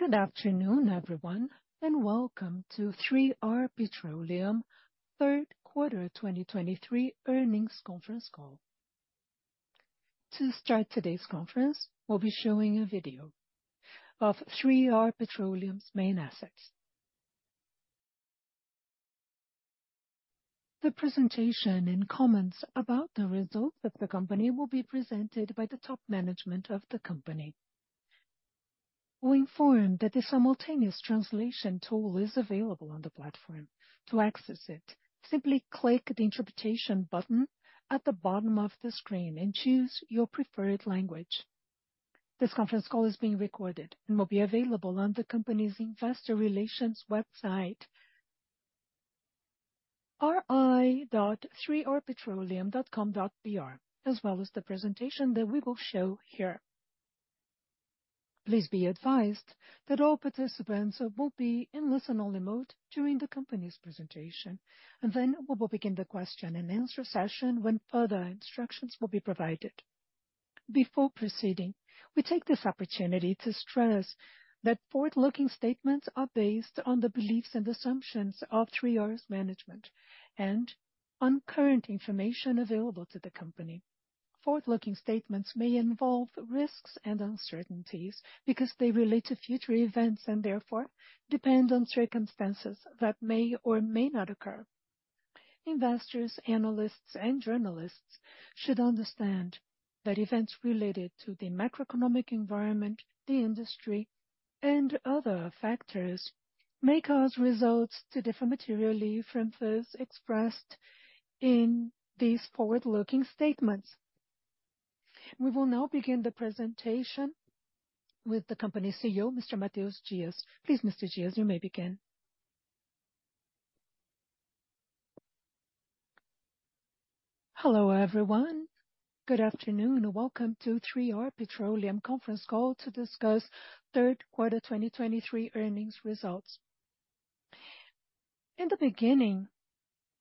Good afternoon, everyone, and welcome to 3R Petroleum third quarter 2023 earnings conference call. To start today's conference, we'll be showing a video of 3R Petroleum's main assets. The presentation and comments about the results of the company will be presented by the top management of the company. We inform that the simultaneous translation tool is available on the platform. To access it, simply click the interpretation button at the bottom of the screen and choose your preferred language. This conference call is being recorded and will be available on the company's investor relations website, ri.3rpetroleum.com.br, as well as the presentation that we will show here. Please be advised that all participants will be in listen-only mode during the company's presentation, and then we will begin the question-and-answer session when further instructions will be provided. Before proceeding, we take this opportunity to stress that forward-looking statements are based on the beliefs and assumptions of 3R's management and on current information available to the company. Forward-looking statements may involve risks and uncertainties because they relate to future events and, therefore, depend on circumstances that may or may not occur. Investors, analysts, and journalists should understand that events related to the macroeconomic environment, the industry, and other factors may cause results to differ materially from those expressed in these forward-looking statements. We will now begin the presentation with the company's CEO, Mr. Matheus Dias. Please, Mr. Dias, you may begin. Hello, everyone. Good afternoon. Welcome to 3R Petroleum conference call to discuss third quarter 2023 earnings results. In the beginning,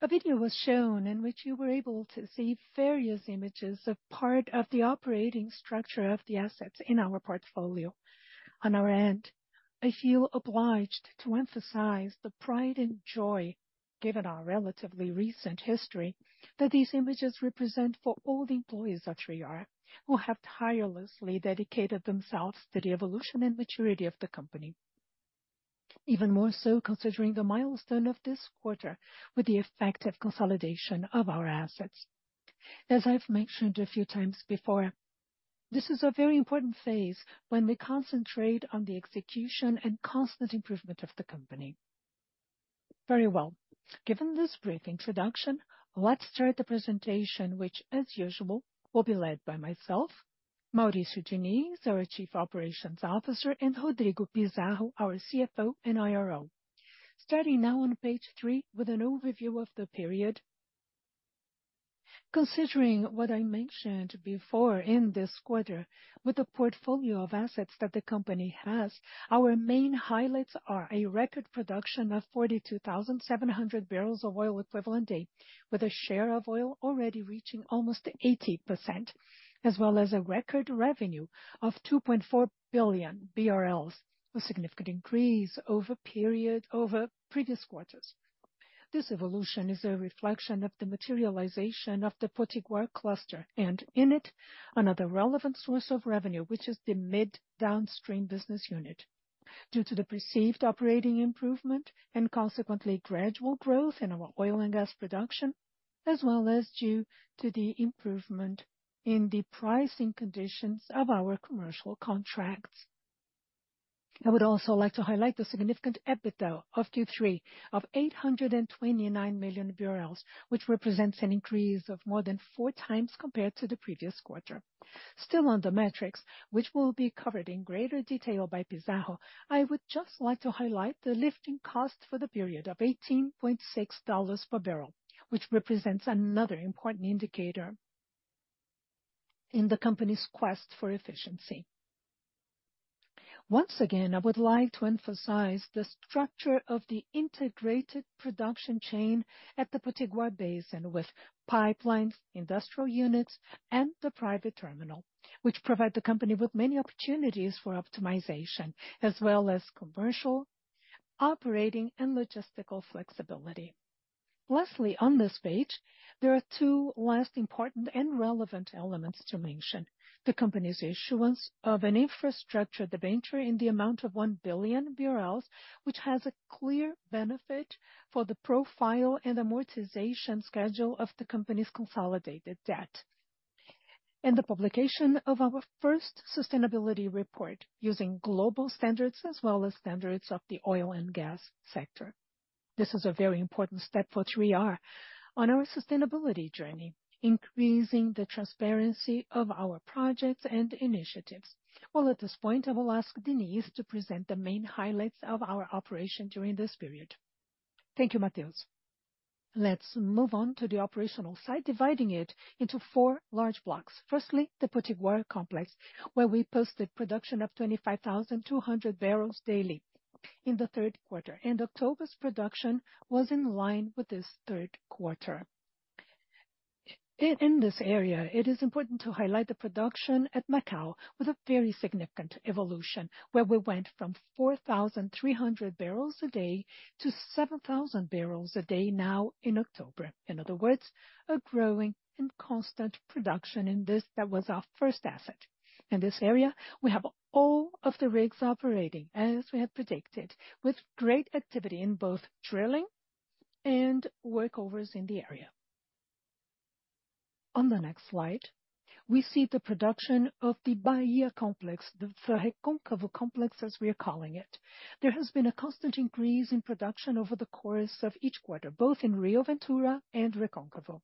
a video was shown in which you were able to see various images of part of the operating structure of the assets in our portfolio. On our end, I feel obliged to emphasize the pride and joy, given our relatively recent history, that these images represent for all the employees of 3R, who have tirelessly dedicated themselves to the evolution and maturity of the company. Even more so, considering the milestone of this quarter with the effective consolidation of our assets. As I've mentioned a few times before, this is a very important phase when we concentrate on the execution and constant improvement of the company. Very well. Given this brief introduction, let's start the presentation, which, as usual, will be led by myself, Mauricio Diniz, our Chief Operations Officer, and Rodrigo Pizarro, our CFO and IRO. Starting now on page three with an overview of the period. Considering what I mentioned before in this quarter, with the portfolio of assets that the company has, our main highlights are a record production of 42,700 barrels of oil equivalent a day, with a share of oil already reaching almost 80%, as well as a record revenue of 2.4 billion BRL, a significant increase over previous quarters. This evolution is a reflection of the materialization of the Potiguar Cluster, and in it, another relevant source of revenue, which is the mid downstream business unit, due to the perceived operating improvement and consequently gradual growth in our oil and gas production, as well as due to the improvement in the pricing conditions of our commercial contracts. I would also like to highlight the significant EBITDA of Q3 of 829 million barrels, which represents an increase of more than four times compared to the previous quarter. Still on the metrics, which will be covered in greater detail by Pizarro, I would just like to highlight the lifting cost for the period of $18.6 per barrel, which represents another important indicator in the company's quest for efficiency. Once again, I would like to emphasize the structure of the integrated production chain at the Potiguar Basin with pipelines, industrial units, and the private terminal, which provide the company with many opportunities for optimization, as well as commercial, operating, and logistical flexibility. Lastly, on this page, there are two last important and relevant elements to mention. The company's issuance of an infrastructure debenture in the amount of BRL 1 billion, which has a clear benefit for the profile and amortization schedule of the company's consolidated debt. The publication of our first sustainability report using global standards as well as standards of the oil and gas sector. This is a very important step for 3R on our sustainability journey, increasing the transparency of our projects and initiatives. Well, at this point, I will ask Diniz to present the main highlights of our operation during this period. Thank you, Matheus. Let's move on to the operational side, dividing it into four large blocks. Firstly, the Potiguar Complex, where we posted production of 25,200 barrels daily in the third quarter, and October's production was in line with this third quarter. In this area, it is important to highlight the production at Macau, with a very significant evolution, where we went from 4,300 barrels a day to 7,000 barrels a day now in October. In other words, a growing and constant production, and this, that was our first asset. In this area, we have all of the rigs operating as we had predicted, with great activity in both drilling and workovers in the area. On the next slide, we see the production of the Bahia Complex, the Recôncavo Complex, as we are calling it. There has been a constant increase in production over the course of each quarter, both in Rio Ventura and Recôncavo,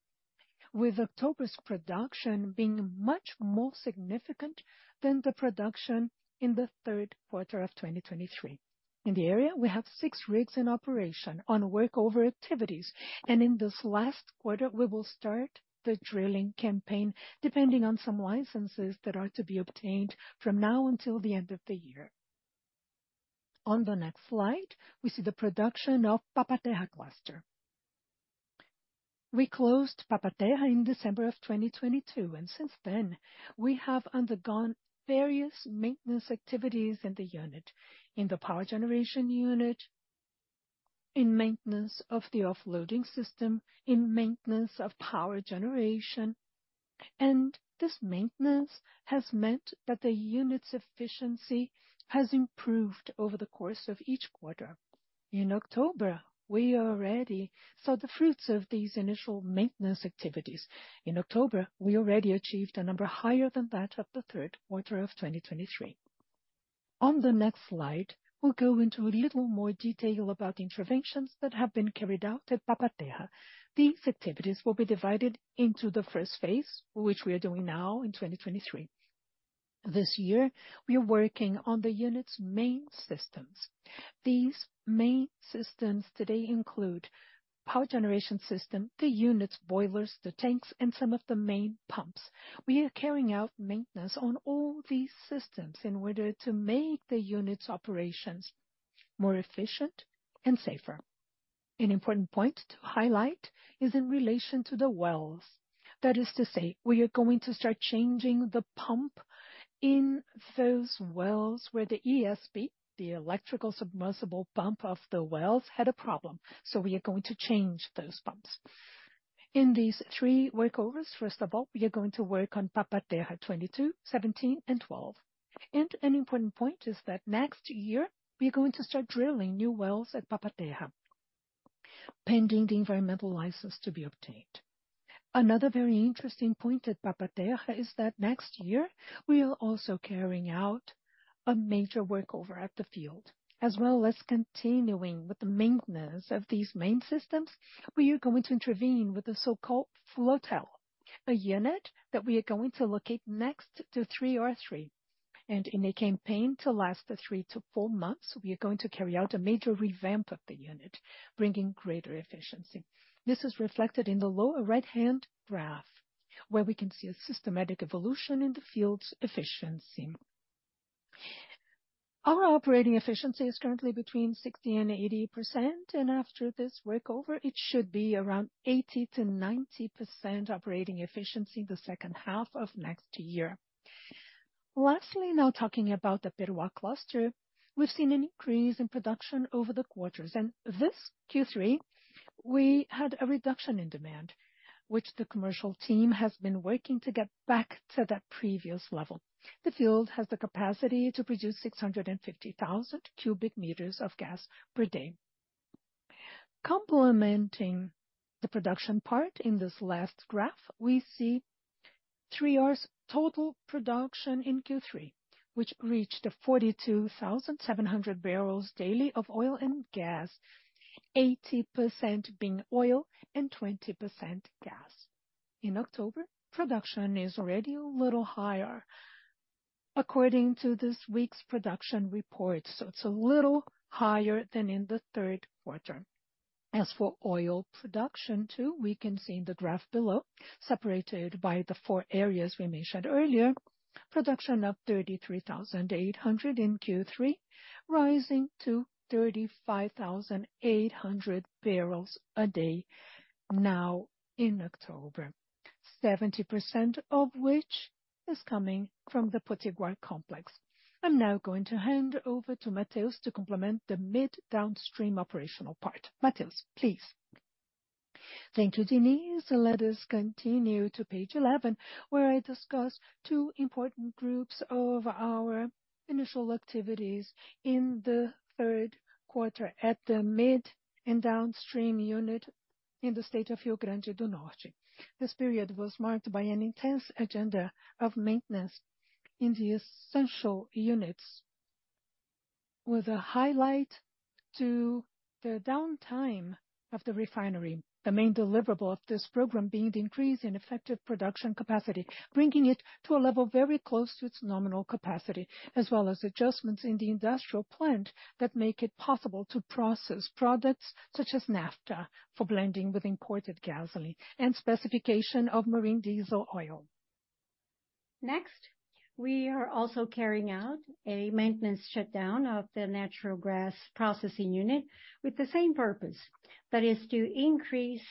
with October's production being much more significant than the production in the third quarter of 2023. In the area, we have six rigs in operation on workover activities, and in this last quarter, we will start the drilling campaign, depending on some licenses that are to be obtained from now until the end of the year. On the next slide, we see the production of Papa-Terra Cluster. We closed Papa-Terra in December of 2022, and since then, we have undergone various maintenance activities in the unit, in the power generation unit, in maintenance of the offloading system, in maintenance of power generation, and this maintenance has meant that the unit's efficiency has improved over the course of each quarter. In October, we already saw the fruits of these initial maintenance activities. In October, we already achieved a number higher than that of the third quarter of 2023. On the next slide, we'll go into a little more detail about the interventions that have been carried out at Papa-Terra. These activities will be divided into the first phase, which we are doing now in 2023. This year, we are working on the unit's main systems. These main systems today include power generation system, the unit's boilers, the tanks, and some of the main pumps. We are carrying out maintenance on all these systems in order to make the unit's operations more efficient and safer. An important point to highlight is in relation to the wells. That is to say, we are going to start changing the pump in those wells where the ESP, the electrical submersible pump of the wells, had a problem, so we are going to change those pumps. In these three workovers, first of all, we are going to work on Papa-Terra 22, 17, and 12. An important point is that next year, we are going to start drilling new wells at Papa-Terra, pending the environmental license to be obtained. Another very interesting point at Papa-Terra is that next year, we are also carrying out a major workover at the field, as well as continuing with the maintenance of these main systems. We are going to intervene with the so-called Floatel, a unit that we are going to locate next to 3R-3, and in a campaign to last for three to four months, we are going to carry out a major revamp of the unit, bringing greater efficiency. This is reflected in the lower right-hand graph, where we can see a systematic evolution in the field's efficiency. Our operating efficiency is currently between 60% and 80%, and after this workover, it should be around 80%-90% operating efficiency in the second half of next year. Lastly, now talking about the Peroá Cluster, we've seen an increase in production over the quarters, and this Q3, we had a reduction in demand, which the commercial team has been working to get back to that previous level. The field has the capacity to produce 650,000 cubic meters of gas per day. Complementing the production part, in this last graph, we see three years total production in Q3, which reached 42,700 barrels daily of oil and gas, 80% being oil and 20% gas. In October, production is already a little higher, according to this week's production report, so it's a little higher than in the third quarter. As for oil production, too, we can see in the graph below, separated by the four areas we mentioned earlier, production of 33,800 in Q3, rising to 35,800 barrels a day now in October, 70% of which is coming from the Potiguar Complex. I'm now going to hand over to Matheus to complement the mid downstream operational part. Matheus, please. Thank you, Diniz. Let us continue to page 11, where I discuss two important groups of our initial activities in the third quarter at the mid and downstream unit in the state of Rio Grande do Norte. This period was marked by an intense agenda of maintenance in the essential units, with a highlight to the downtime of the refinery, the main deliverable of this program being the increase in effective production capacity, bringing it to a level very close to its nominal capacity, as well as adjustments in the industrial plant that make it possible to process products such as naphtha for blending with imported gasoline and specification of marine diesel oil. ...Next, we are also carrying out a maintenance shutdown of the natural gas processing unit with the same purpose, that is to increase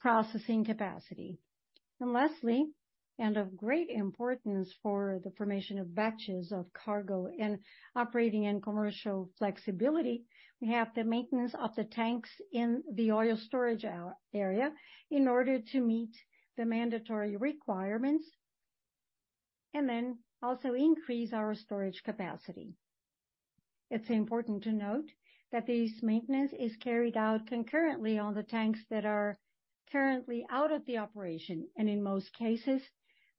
processing capacity. And lastly, and of great importance for the formation of batches of cargo and operating and commercial flexibility, we have the maintenance of the tanks in the oil storage area in order to meet the mandatory requirements, and then also increase our storage capacity. It's important to note that this maintenance is carried out concurrently on the tanks that are currently out of the operation, and in most cases,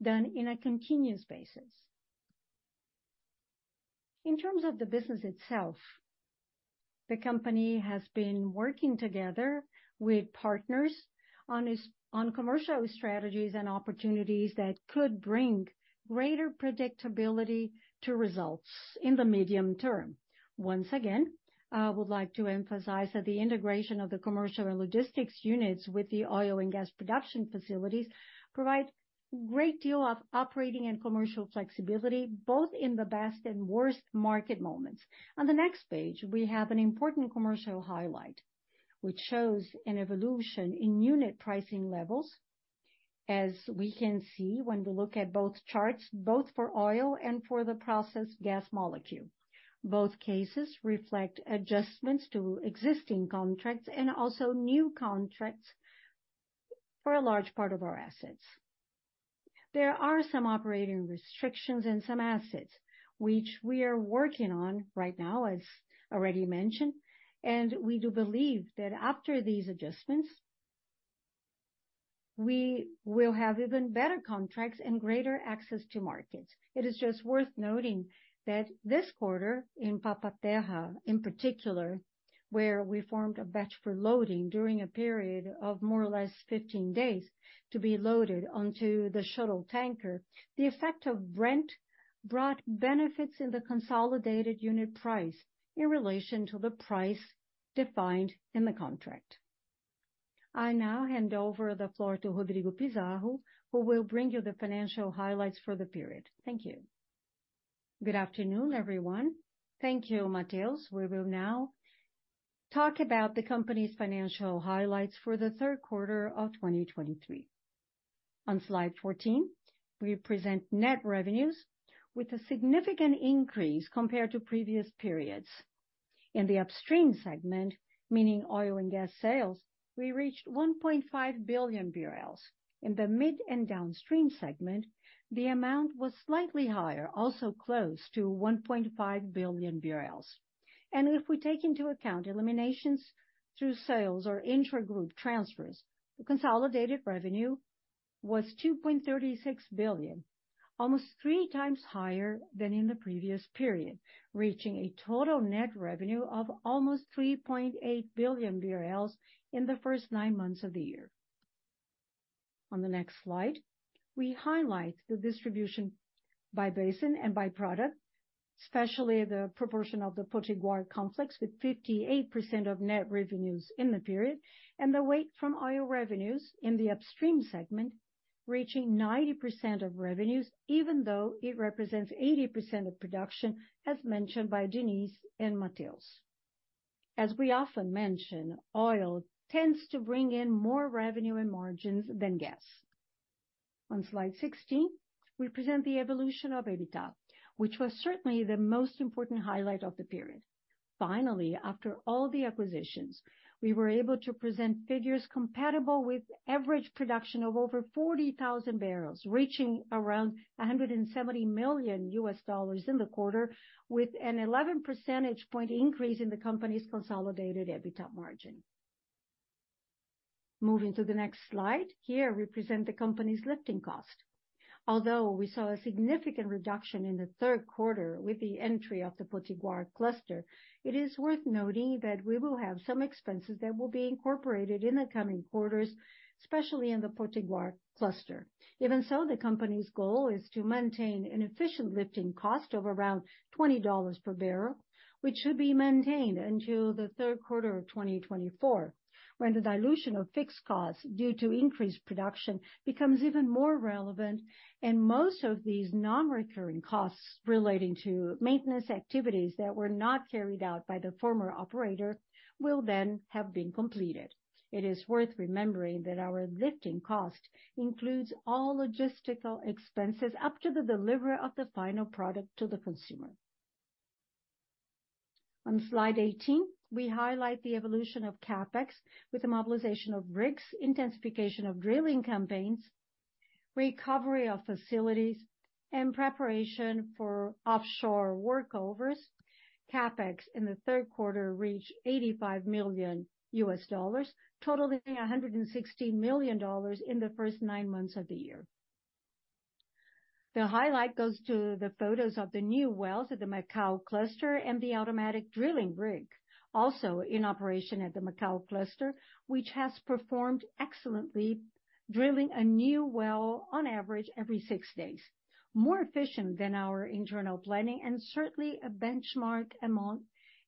done in a continuous basis. In terms of the business itself, the company has been working together with partners on commercial strategies and opportunities that could bring greater predictability to results in the medium term. Once again, I would like to emphasize that the integration of the commercial and logistics units with the oil and gas production facilities provide great deal of operating and commercial flexibility, both in the best and worst market moments. On the next page, we have an important commercial highlight, which shows an evolution in unit pricing levels. As we can see, when we look at both charts, both for oil and for the processed gas molecule, both cases reflect adjustments to existing contracts and also new contracts for a large part of our assets. There are some operating restrictions in some assets, which we are working on right now, as already mentioned, and we do believe that after these adjustments, we will have even better contracts and greater access to markets. It is just worth noting that this quarter, in Papa-Terra, in particular, where we formed a batch for loading during a period of more or less 15 days to be loaded onto the shuttle tanker, the effect of Brent brought benefits in the consolidated unit price in relation to the price defined in the contract. I now hand over the floor to Rodrigo Pizarro, who will bring you the financial highlights for the period. Thank you. Good afternoon, everyone. Thank you, Matheus. We will now talk about the company's financial highlights for the third quarter of 2023. On slide 14, we present net revenues with a significant increase compared to previous periods. In the upstream segment, meaning oil and gas sales, we reached 1.5 billion BRL. In the mid and downstream segment, the amount was slightly higher, also close to 1.5 billion BRL. If we take into account eliminations through sales or intragroup transfers, the consolidated revenue was 2.36 billion, almost three times higher than in the previous period, reaching a total net revenue of almost 3.8 billion BRL barrels in the first nine months of the year. On the next slide, we highlight the distribution by basin and by product, especially the proportion of the Potiguar Complex, with 58% of net revenues in the period, and the weight from oil revenues in the upstream segment, reaching 90% of revenues, even though it represents 80% of production, as mentioned by Diniz and Matheus. As we often mention, oil tends to bring in more revenue and margins than gas. On slide 16, we present the evolution of EBITDA, which was certainly the most important highlight of the period. Finally, after all the acquisitions, we were able to present figures compatible with average production of over 40,000 barrels, reaching around $170 million in the quarter, with an 11 percentage point increase in the company's consolidated EBITDA margin. Moving to the next slide, here we present the company's lifting cost. Although we saw a significant reduction in the third quarter with the entry of the Potiguar Cluster, it is worth noting that we will have some expenses that will be incorporated in the coming quarters, especially in the Potiguar Cluster. Even so, the company's goal is to maintain an efficient lifting cost of around $20 per barrel, which should be maintained until the third quarter of 2024, when the dilution of fixed costs due to increased production becomes even more relevant, and most of these non-recurring costs relating to maintenance activities that were not carried out by the former operator will then have been completed. It is worth remembering that our lifting cost includes all logistical expenses up to the delivery of the final product to the consumer. On slide 18, we highlight the evolution of CapEx with the mobilization of rigs, intensification of drilling campaigns, recovery of facilities, and preparation for offshore workovers. CapEx in the third quarter reached $85 million, totaling $116 million in the first nine months of the year. The highlight goes to the photos of the new wells at the Macau Cluster and the automatic drilling rig, also in operation at the Macau Cluster, which has performed excellently, drilling a new well on average every six days. More efficient than our internal planning and certainly a benchmark among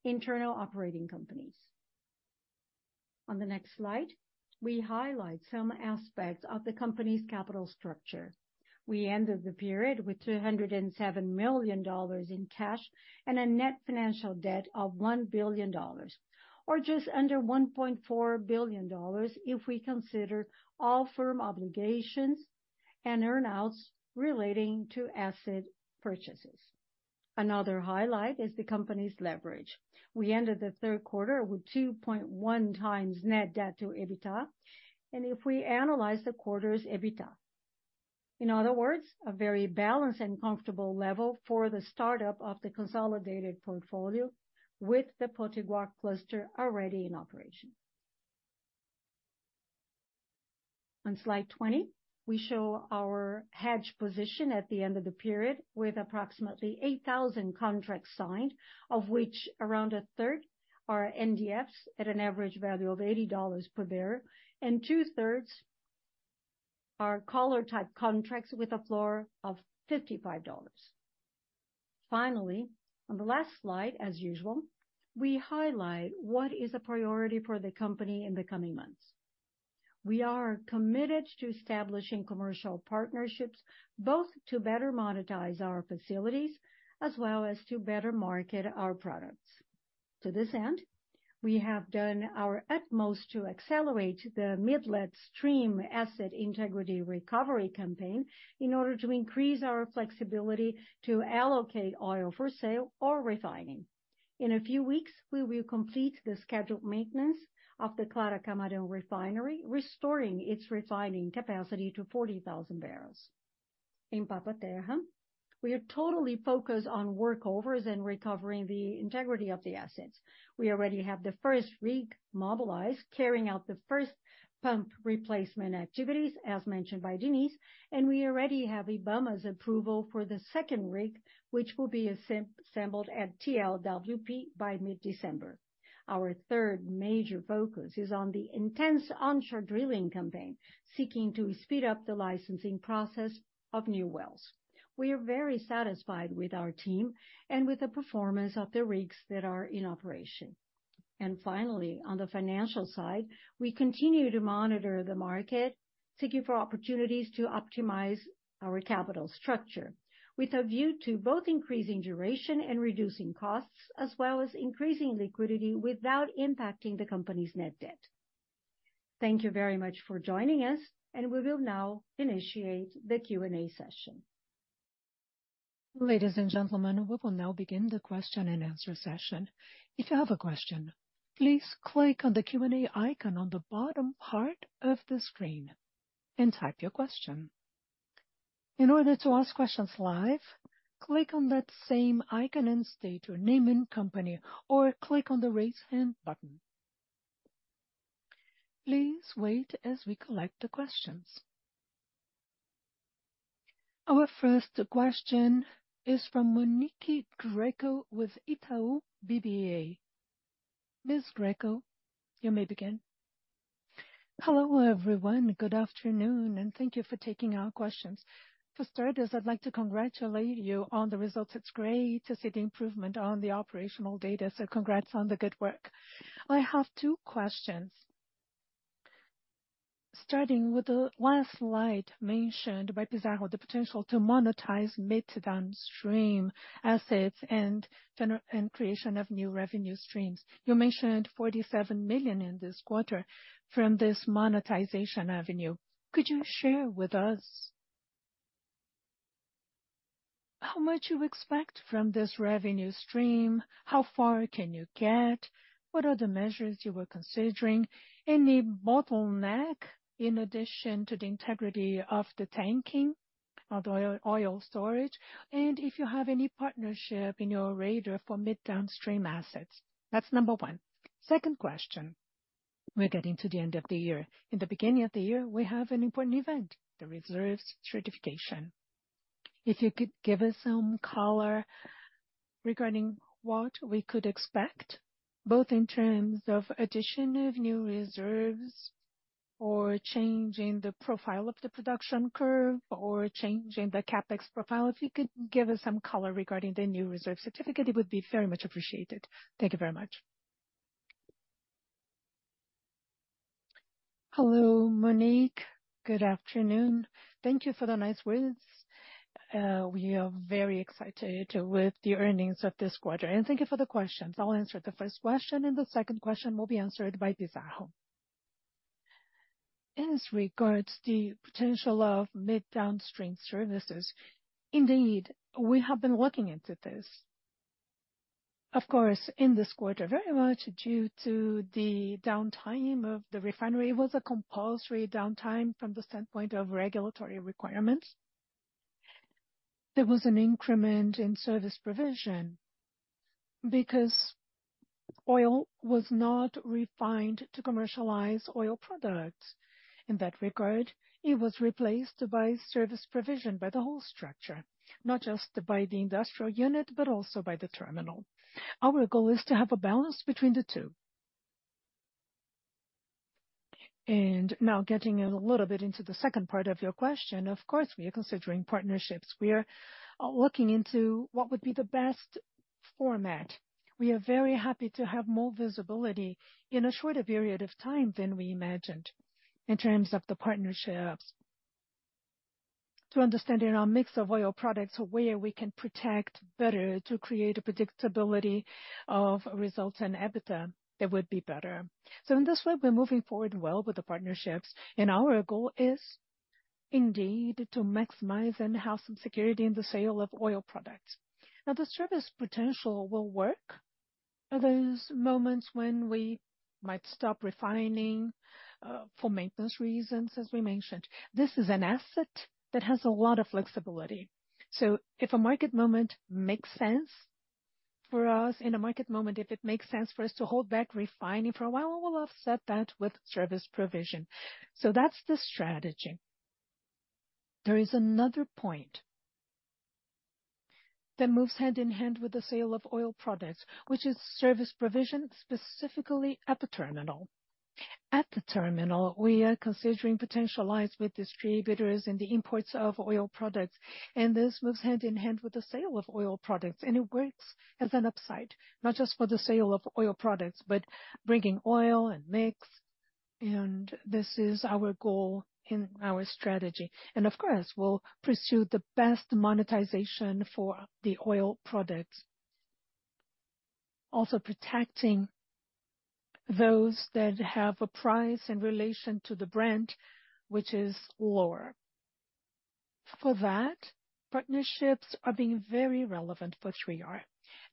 internal operating companies. On the next slide, we highlight some aspects of the company's capital structure. We ended the period with $207 million in cash and a net financial debt of $1 billion, or just under $1.4 billion, if we consider all firm obligations and earnouts relating to asset purchases. Another highlight is the company's leverage. We ended the third quarter with 2.1 times net debt-to-EBITDA, and if we analyze the quarter's EBITDA. In other words, a very balanced and comfortable level for the startup of the consolidated portfolio with the Potiguar Cluster already in operation. On slide 20, we show our hedge position at the end of the period, with approximately 8,000 contracts signed, of which around a third are NDFs at an average value of $80 per barrel, and two-thirds are collar type contracts with a floor of $55. Finally, on the last slide, as usual, we highlight what is a priority for the company in the coming months. We are committed to establishing commercial partnerships, both to better monetize our facilities as well as to better market our products. To this end, we have done our utmost to accelerate the midstream asset integrity recovery campaign in order to increase our flexibility to allocate oil for sale or refining. In a few weeks, we will complete the scheduled maintenance of the Clara Camarão Refinery, restoring its refining capacity to 40,000 barrels. In Papa-Terra, we are totally focused on workovers and recovering the integrity of the assets. We already have the first rig mobilized, carrying out the first pump replacement activities, as mentioned by Diniz, and we already have IBAMA's approval for the second rig, which will be assembled at TLWP by mid-December. Our third major focus is on the intense onshore drilling campaign, seeking to speed up the licensing process of new wells. We are very satisfied with our team and with the performance of the rigs that are in operation. Finally, on the financial side, we continue to monitor the market, seeking for opportunities to optimize our capital structure, with a view to both increasing duration and reducing costs, as well as increasing liquidity without impacting the company's net debt. Thank you very much for joining us, and we will now initiate the Q&A session. Ladies and gentlemen, we will now begin the question and answer session. If you have a question, please click on the Q&A icon on the bottom part of the screen and type your question. In order to ask questions live, click on that same icon and state your name and company, or click on the Raise Hand button. Please wait as we collect the questions. Our first question is from Monique Greco with Itaú BBA. Ms. Greco, you may begin. Hello, everyone. Good afternoon, and thank you for taking our questions. For starters, I'd like to congratulate you on the results. It's great to see the improvement on the operational data, so congrats on the good work. I have two questions: starting with the last slide mentioned by Pizarro, the potential to monetize mid downstream assets and generation and creation of new revenue streams. You mentioned $47 million in this quarter from this monetization avenue. Could you share with us how much you expect from this revenue stream? How far can you get? What are the measures you were considering? Any bottleneck in addition to the integrity of the tanking of the oil, oil storage, and if you have any partnership in your radar for mid downstream assets? That's number one. Second question, we're getting to the end of the year. In the beginning of the year, we have an important event, the reserves certification. If you could give us some color regarding what we could expect, both in terms of addition of new reserves or changing the profile of the production curve or changing the CapEx profile. If you could give us some color regarding the new reserve certificate, it would be very much appreciated. Thank you very much. Hello, Monique. Good afternoon. Thank you for the nice words. We are very excited with the earnings of this quarter, and thank you for the questions. I'll answer the first question, and the second question will be answered by Pizarro. As regards the potential of mid downstream services, indeed, we have been looking into this. Of course, in this quarter, very much due to the downtime of the refinery, it was a compulsory downtime from the standpoint of regulatory requirements. There was an increment in service provision because oil was not refined to commercialize oil products. In that regard, it was replaced by service provision by the whole structure, not just by the industrial unit, but also by the terminal. Our goal is to have a balance between the two.... And now getting a little bit into the second part of your question, of course, we are considering partnerships. We are looking into what would be the best format. We are very happy to have more visibility in a shorter period of time than we imagined, in terms of the partnerships, to understanding our mix of oil products, where we can protect better, to create a predictability of results and EBITDA that would be better. So in this way, we're moving forward well with the partnerships, and our goal is indeed to maximize in-house security and the sale of oil products. Now, the service potential will work at those moments when we might stop refining, for maintenance reasons, as we mentioned. This is an asset that has a lot of flexibility. So if a market moment makes sense for us, in a market moment, if it makes sense for us to hold back refining for a while, we'll offset that with service provision. So that's the strategy. There is another point that moves hand in hand with the sale of oil products, which is service provision, specifically at the terminal. At the terminal, we are considering potential allies with distributors in the imports of oil products, and this moves hand in hand with the sale of oil products, and it works as an upside, not just for the sale of oil products, but bringing oil and mix. And this is our goal in our strategy. And of course, we'll pursue the best monetization for the oil products, also protecting those that have a price in relation to the brand, which is lower. For that, partnerships are being very relevant for 3R.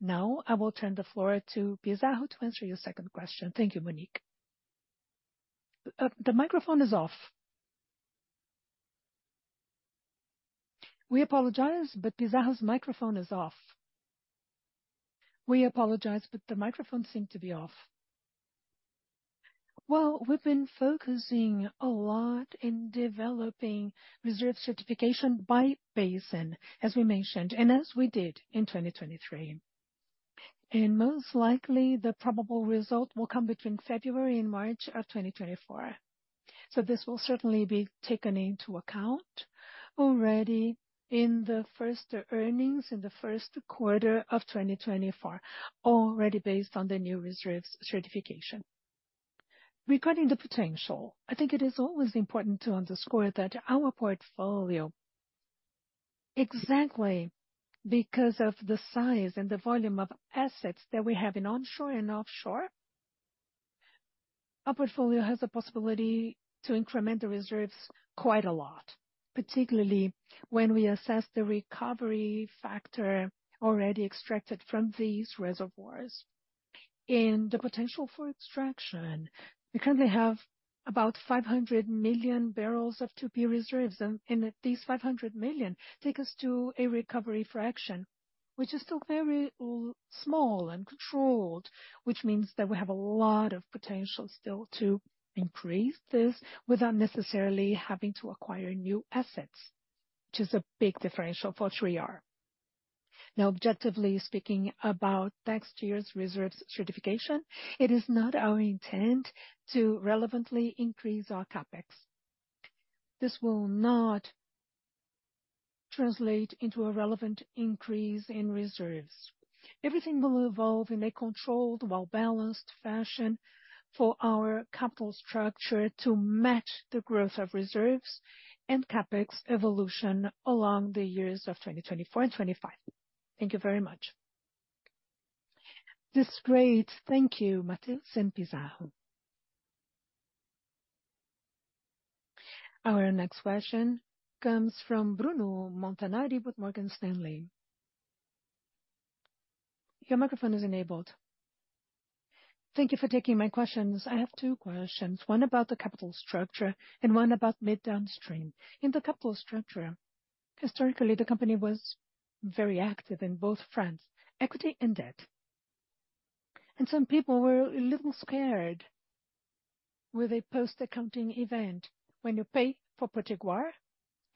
Now, I will turn the floor to Pizarro to answer your second question. Thank you, Monique. The microphone is off. We apologize, but Pizarro's microphone is off. We apologize, but the microphone seemed to be off. Well, we've been focusing a lot in developing reserve certification by basin, as we mentioned, and as we did in 2023. And most likely, the probable result will come between February and March of 2024. So this will certainly be taken into account already in the first earnings, in the first quarter of 2024, already based on the new reserves certification. Regarding the potential, I think it is always important to underscore that our portfolio, exactly because of the size and the volume of assets that we have in onshore and offshore, our portfolio has the possibility to increment the reserves quite a lot, particularly when we assess the recovery factor already extracted from these reservoirs. And the potential for extraction, because they have about 500 million barrels of 2P reserves, and these 500 million take us to a recovery fraction, which is still very small and controlled, which means that we have a lot of potential still to increase this without necessarily having to acquire new assets, which is a big differential for 3R. Now, objectively speaking, about next year's reserves certification, it is not our intent to relevantly increase our CapEx. This will not translate into a relevant increase in reserves. Everything will evolve in a controlled while balanced fashion for our capital structure to match the growth of reserves and CapEx evolution along the years of 2024 and 2025. Thank you very much. That's great. Thank you, Matheus and Pizarro. Our next question comes from Bruno Montanari with Morgan Stanley. Your microphone is enabled. Thank you for taking my questions. I have two questions, one about the capital structure and one about mid downstream. In the capital structure, historically, the company was very active in both fronts, equity and debt, and some people were a little scared with a post-accounting event when you pay for Potiguar,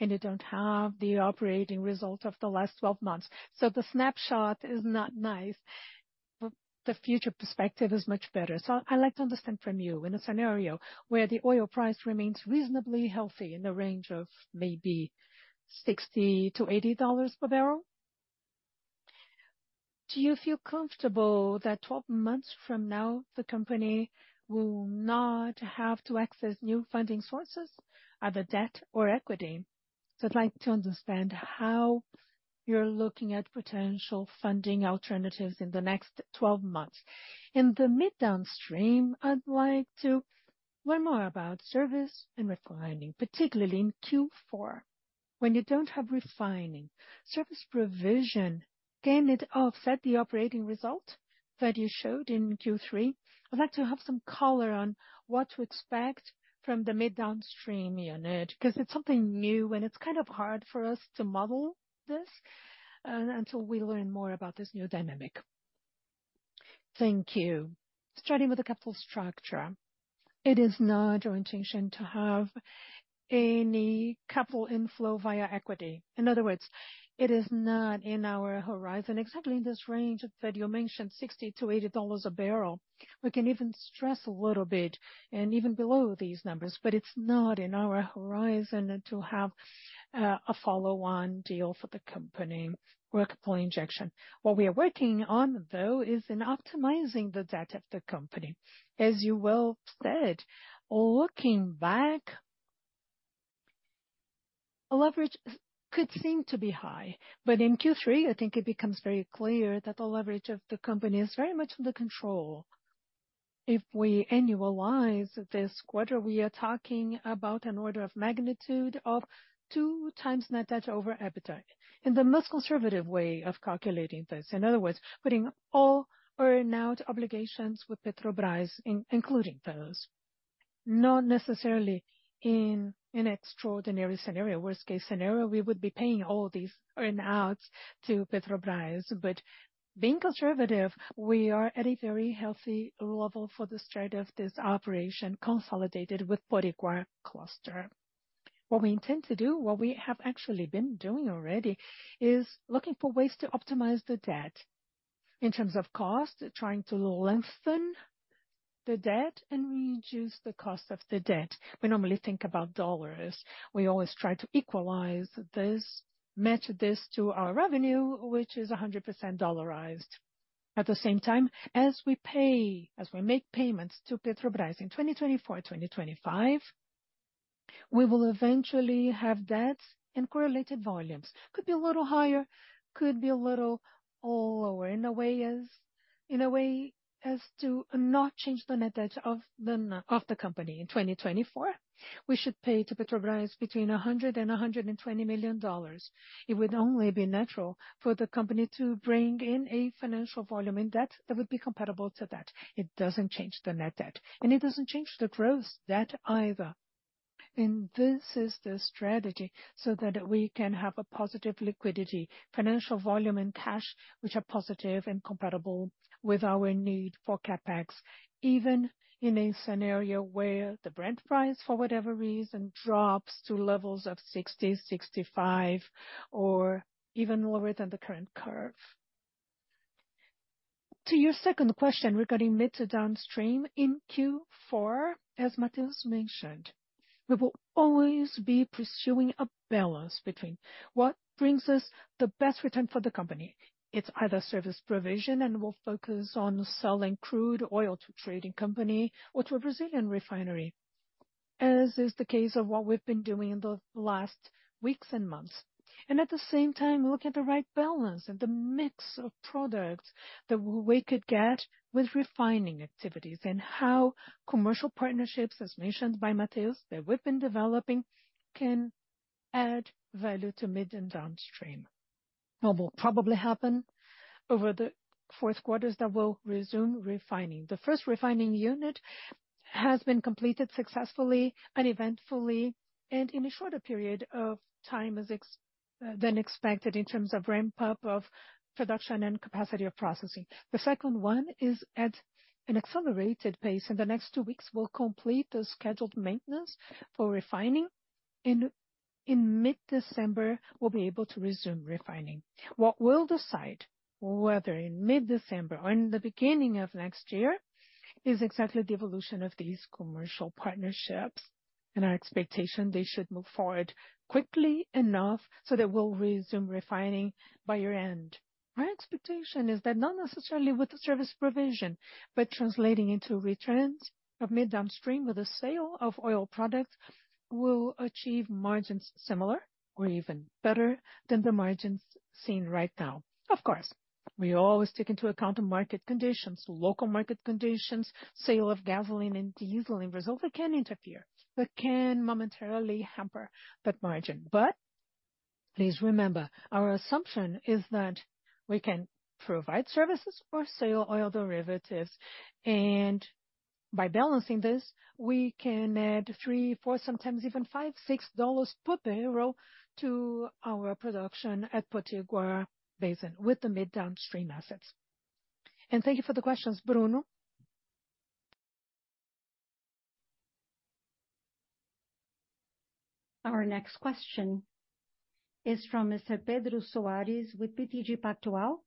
and you don't have the operating results of the last 12 months. So the snapshot is not nice, but the future perspective is much better. So I'd like to understand from you, in a scenario where the oil price remains reasonably healthy in the range of maybe $60-$80 per barrel, do you feel comfortable that 12 months from now, the company will not have to access new funding sources, either debt or equity? So I'd like to understand how you're looking at potential funding alternatives in the next 12 months. In the mid downstream, I'd like to learn more about service and refining, particularly in Q4, when you don't have refining. Service provision, can it offset the operating result that you showed in Q3? I'd like to have some color on what to expect from the mid downstream unit, because it's something new, and it's kind of hard for us to model this, until we learn more about this new dynamic. Thank you. Starting with the capital structure, it is not our intention to have any capital inflow via equity. In other words, it is not in our horizon, exactly in this range that you mentioned, $60-$80 a barrel. We can even stress a little bit and even below these numbers, but it's not in our horizon to have a follow-on deal for the company work point injection. What we are working on, though, is in optimizing the debt of the company. As you well said, looking back, leverage could seem to be high, but in Q3, I think it becomes very clear that the leverage of the company is very much under control. If we annualize this quarter, we are talking about an order of magnitude of two times net debt over EBITDA, in the most conservative way of calculating this. In other words, putting all earn-out obligations with Petrobras, including those, not necessarily in an extraordinary scenario. Worst case scenario, we would be paying all these earn-outs to Petrobras. But being conservative, we are at a very healthy level for the start of this operation, consolidated with Potiguar Cluster. What we intend to do, what we have actually been doing already, is looking for ways to optimize the debt. In terms of cost, trying to lengthen the debt and reduce the cost of the debt. We normally think about dollars. We always try to equalize this, match this to our revenue, which is 100% dollarized. At the same time, as we pay, as we make payments to Petrobras in 2024, 2025, we will eventually have debts and correlated volumes. Could be a little higher, could be a little all lower, in a way as, in a way as to not change the net debt of the company. In 2024, we should pay to Petrobras between $100 million and $120 million. It would only be natural for the company to bring in a financial volume in debt that would be comparable to that. It doesn't change the net debt, and it doesn't change the gross debt either. And this is the strategy so that we can have a positive liquidity, financial volume and cash, which are positive and comparable with our need for CapEx, even in a scenario where the Brent price, for whatever reason, drops to levels of 60, 65, or even lower than the current curve. To your second question regarding mid to downstream, in Q4, as Matheus mentioned, we will always be pursuing a balance between what brings us the best return for the company. It's either service provision, and we'll focus on selling crude oil to a trading company or to a Brazilian refinery, as is the case of what we've been doing in the last weeks and months. And at the same time, look at the right balance and the mix of products that we could get with refining activities and how commercial partnerships, as mentioned by Matheus, that we've been developing, can add value to mid and downstream. What will probably happen over the fourth quarter is that we'll resume refining. The first refining unit has been completed successfully and eventfully, and in a shorter period of time than expected in terms of ramp up of production and capacity of processing. The second one is at an accelerated pace. In the next two weeks, we'll complete the scheduled maintenance for refining, and in mid-December, we'll be able to resume refining. What we'll decide, whether in mid-December or in the beginning of next year, is exactly the evolution of these commercial partnerships, and our expectation, they should move forward quickly enough so that we'll resume refining by year-end. My expectation is that not necessarily with the service provision, but translating into returns of mid downstream with the sale of oil products, we will achieve margins similar or even better than the margins seen right now. Of course, we always take into account the market conditions, local market conditions, sale of gasoline and diesel in Brazil, they can interfere, but can momentarily hamper that margin. But please remember, our assumption is that we can provide services or sell oil derivatives, and by balancing this, we can add $3, $4, sometimes even $5, $6 per barrel to our production at Potiguar Basin with the mid downstream assets. Thank you for the questions, Bruno. Our next question is from Mr. Pedro Soares with BTG Pactual.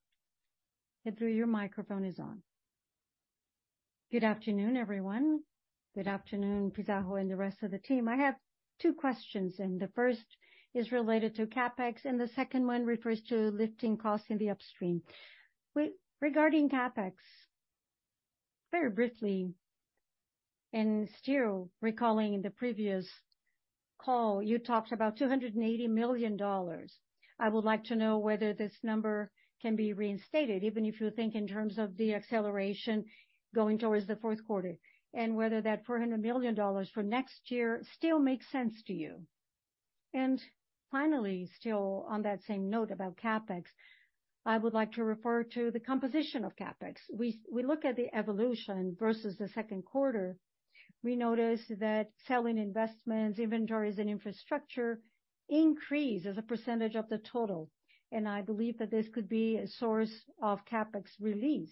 Pedro, your microphone is on. Good afternoon, everyone. Good afternoon, Pizarro and the rest of the team. I have two questions, and the first is related to CapEx, and the second one refers to lifting costs in the upstream. Regarding CapEx, very briefly, and still recalling the previous call, you talked about $280 million. I would like to know whether this number can be reinstated, even if you think in terms of the acceleration going towards the fourth quarter, and whether that $400 million for next year still makes sense to you? And finally, still on that same note about CapEx, I would like to refer to the composition of CapEx. We look at the evolution versus the second quarter, we notice that selling investments, inventories and infrastructure increase as a percentage of the total, and I believe that this could be a source of CapEx release.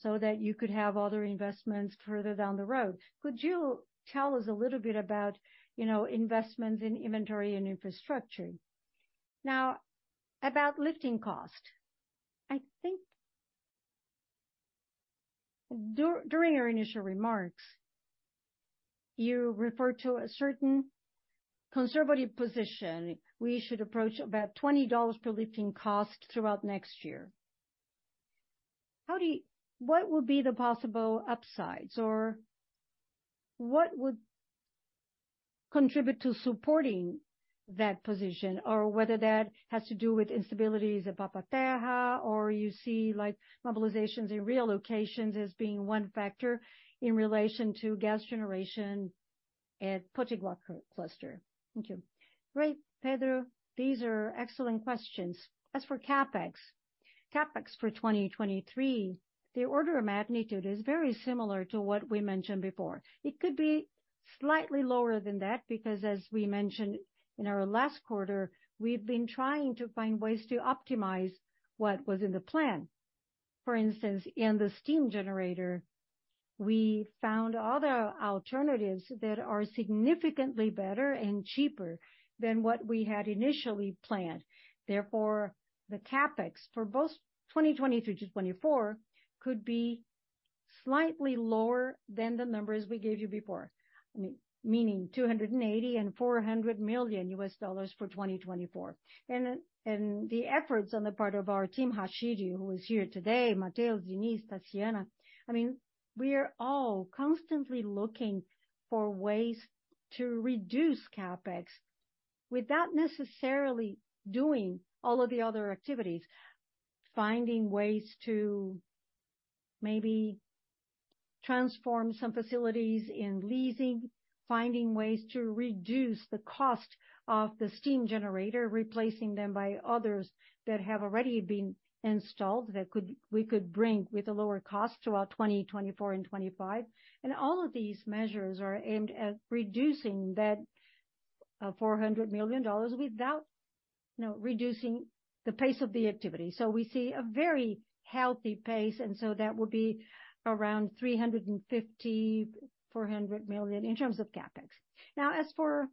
so that you could have other investments further down the road. Could you tell us a little bit about, you know, investments in inventory and infrastructure? Now, about lifting cost, I think during your initial remarks, you referred to a certain conservative position. We should approach about $20 per lifting cost throughout next year. What would be the possible upsides, or what would contribute to supporting that position? Or whether that has to do with instabilities at Papa-Terra, or you see, like, mobilizations and relocations as being one factor in relation to gas generation at Potiguar Cluster. Thank you. Great, Pedro, these are excellent questions. As for CapEx, CapEx for 2023, the order of magnitude is very similar to what we mentioned before. It could be slightly lower than that, because as we mentioned in our last quarter, we've been trying to find ways to optimize what was in the plan. For instance, in the steam generator, we found other alternatives that are significantly better and cheaper than what we had initially planned. Therefore, the CapEx for both 2023-2024 could be slightly lower than the numbers we gave you before, I mean, meaning $280 million and $400 million for 2024. And the efforts on the part of our team, [Hashidi], who is here today, Matheus, Diniz, [Tatiana], I mean, we are all constantly looking for ways to reduce CapEx without necessarily doing all of the other activities. Finding ways to maybe transform some facilities in leasing, finding ways to reduce the cost of the steam generator, replacing them by others that have already been installed, we could bring with a lower cost throughout 2024 and 2025. And all of these measures are aimed at reducing that $400 million without, you know, reducing the pace of the activity. So we see a very healthy pace, and so that would be around $35 million-$400 million in terms of CapEx. Now, as for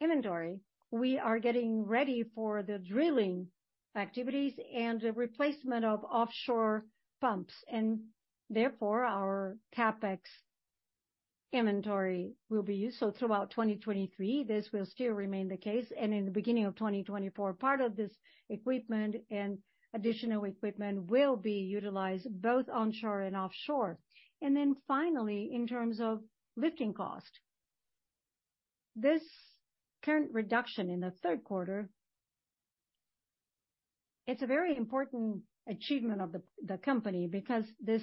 inventory, we are getting ready for the drilling activities and the replacement of offshore pumps, and therefore our CapEx inventory will be used. So throughout 2023, this will still remain the case, and in the beginning of 2024, part of this equipment and additional equipment will be utilized both onshore and offshore. Then finally, in terms of lifting cost, this current reduction in the third quarter, it's a very important achievement of the company, because this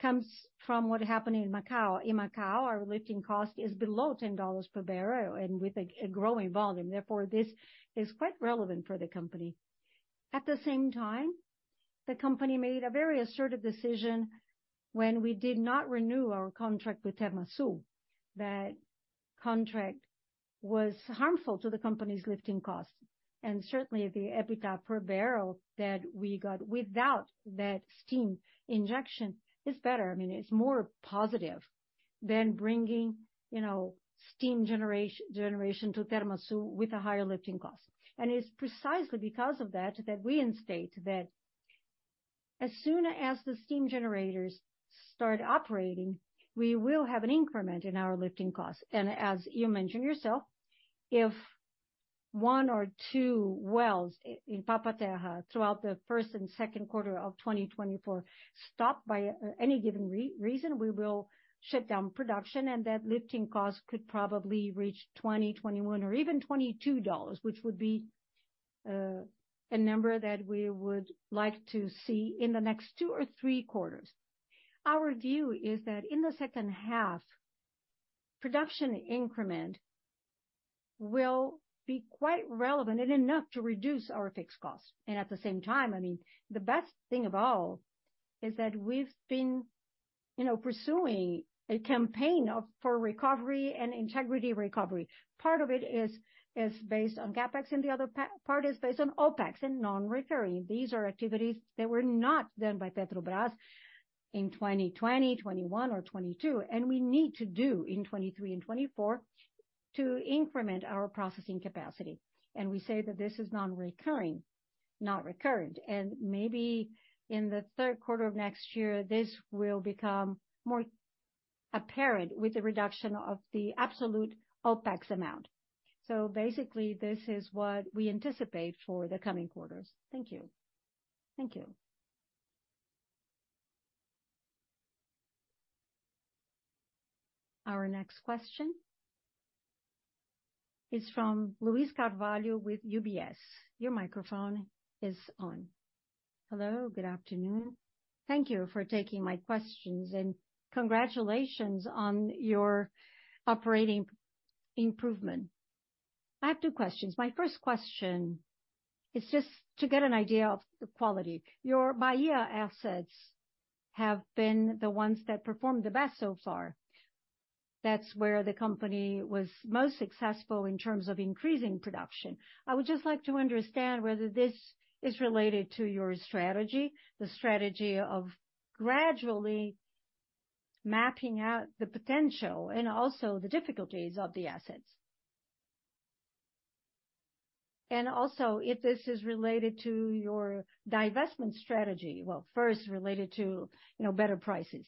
comes from what happened in Macau. In Macau, our lifting cost is below $10 per barrel and with a growing volume. Therefore, this is quite relevant for the company. At the same time, the company made a very assertive decision when we did not renew our contract with Termoaçu. That contract was harmful to the company's lifting costs, and certainly the EBITDA per barrel that we got without that steam injection is better. I mean, it's more positive than bringing, you know, steam generation to Termoaçu with a higher lifting cost. And it's precisely because of that, that we instate that as soon as the steam generators start operating, we will have an increment in our lifting costs. As you mentioned yourself, if one or two wells in Papa-Terra throughout the first and second quarter of 2024 stop by any given reason, we will shut down production, and that lifting cost could probably reach $20, $21 or even $22, which would be a number that we would like to see in the next two or three quarters. Our view is that in the second half, production increment will be quite relevant and enough to reduce our fixed costs. At the same time, I mean, the best thing of all is that we've been, you know, pursuing a campaign for recovery and integrity recovery. Part of it is based on CapEx, and the other part is based on OpEx and non-recurring. These are activities that were not done by Petrobras in 2020, 2021 or 2022, and we need to do in 2023 and 2024 to increment our processing capacity. And we say that this is non-recurring, not recurrent, and maybe in the third quarter of next year, this will become more apparent with the reduction of the absolute OpEx amount. So basically, this is what we anticipate for the coming quarters. Thank you. Thank you. Our next question is from Luiz Carvalho with UBS. Your microphone is on. Hello, good afternoon. Thank you for taking my questions, and congratulations on your operating improvement. I have two questions. My first question is just to get an idea of the quality. Your Bahia assets have been the ones that performed the best so far.... That's where the company was most successful in terms of increasing production. I would just like to understand whether this is related to your strategy, the strategy of gradually mapping out the potential and also the difficulties of the assets. And also, if this is related to your divestment strategy, well, first related to, you know, better prices.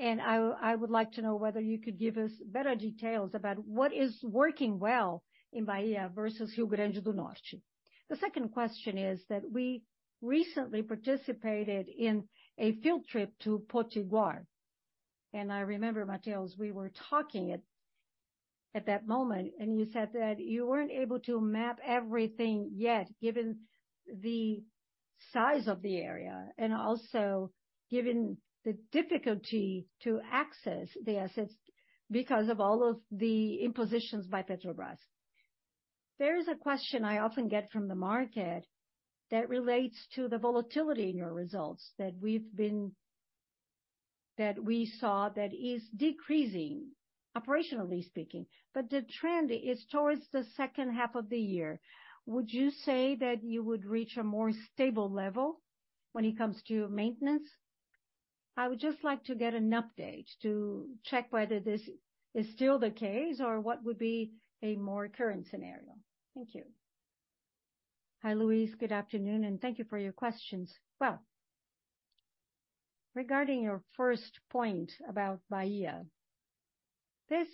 And I would like to know whether you could give us better details about what is working well in Bahia versus Rio Grande do Norte. The second question is that we recently participated in a field trip to Potiguar, and I remember, Matheus, we were talking at that moment, and you said that you weren't able to map everything yet, given the size of the area, and also given the difficulty to access the assets because of all of the impositions by Petrobras. There is a question I often get from the market that relates to the volatility in your results, that we saw that is decreasing, operationally speaking, but the trend is towards the second half of the year. Would you say that you would reach a more stable level when it comes to maintenance? I would just like to get an update to check whether this is still the case or what would be a more current scenario. Thank you. Hi, Louise. Good afternoon, and thank you for your questions. Well, regarding your first point about Bahia, this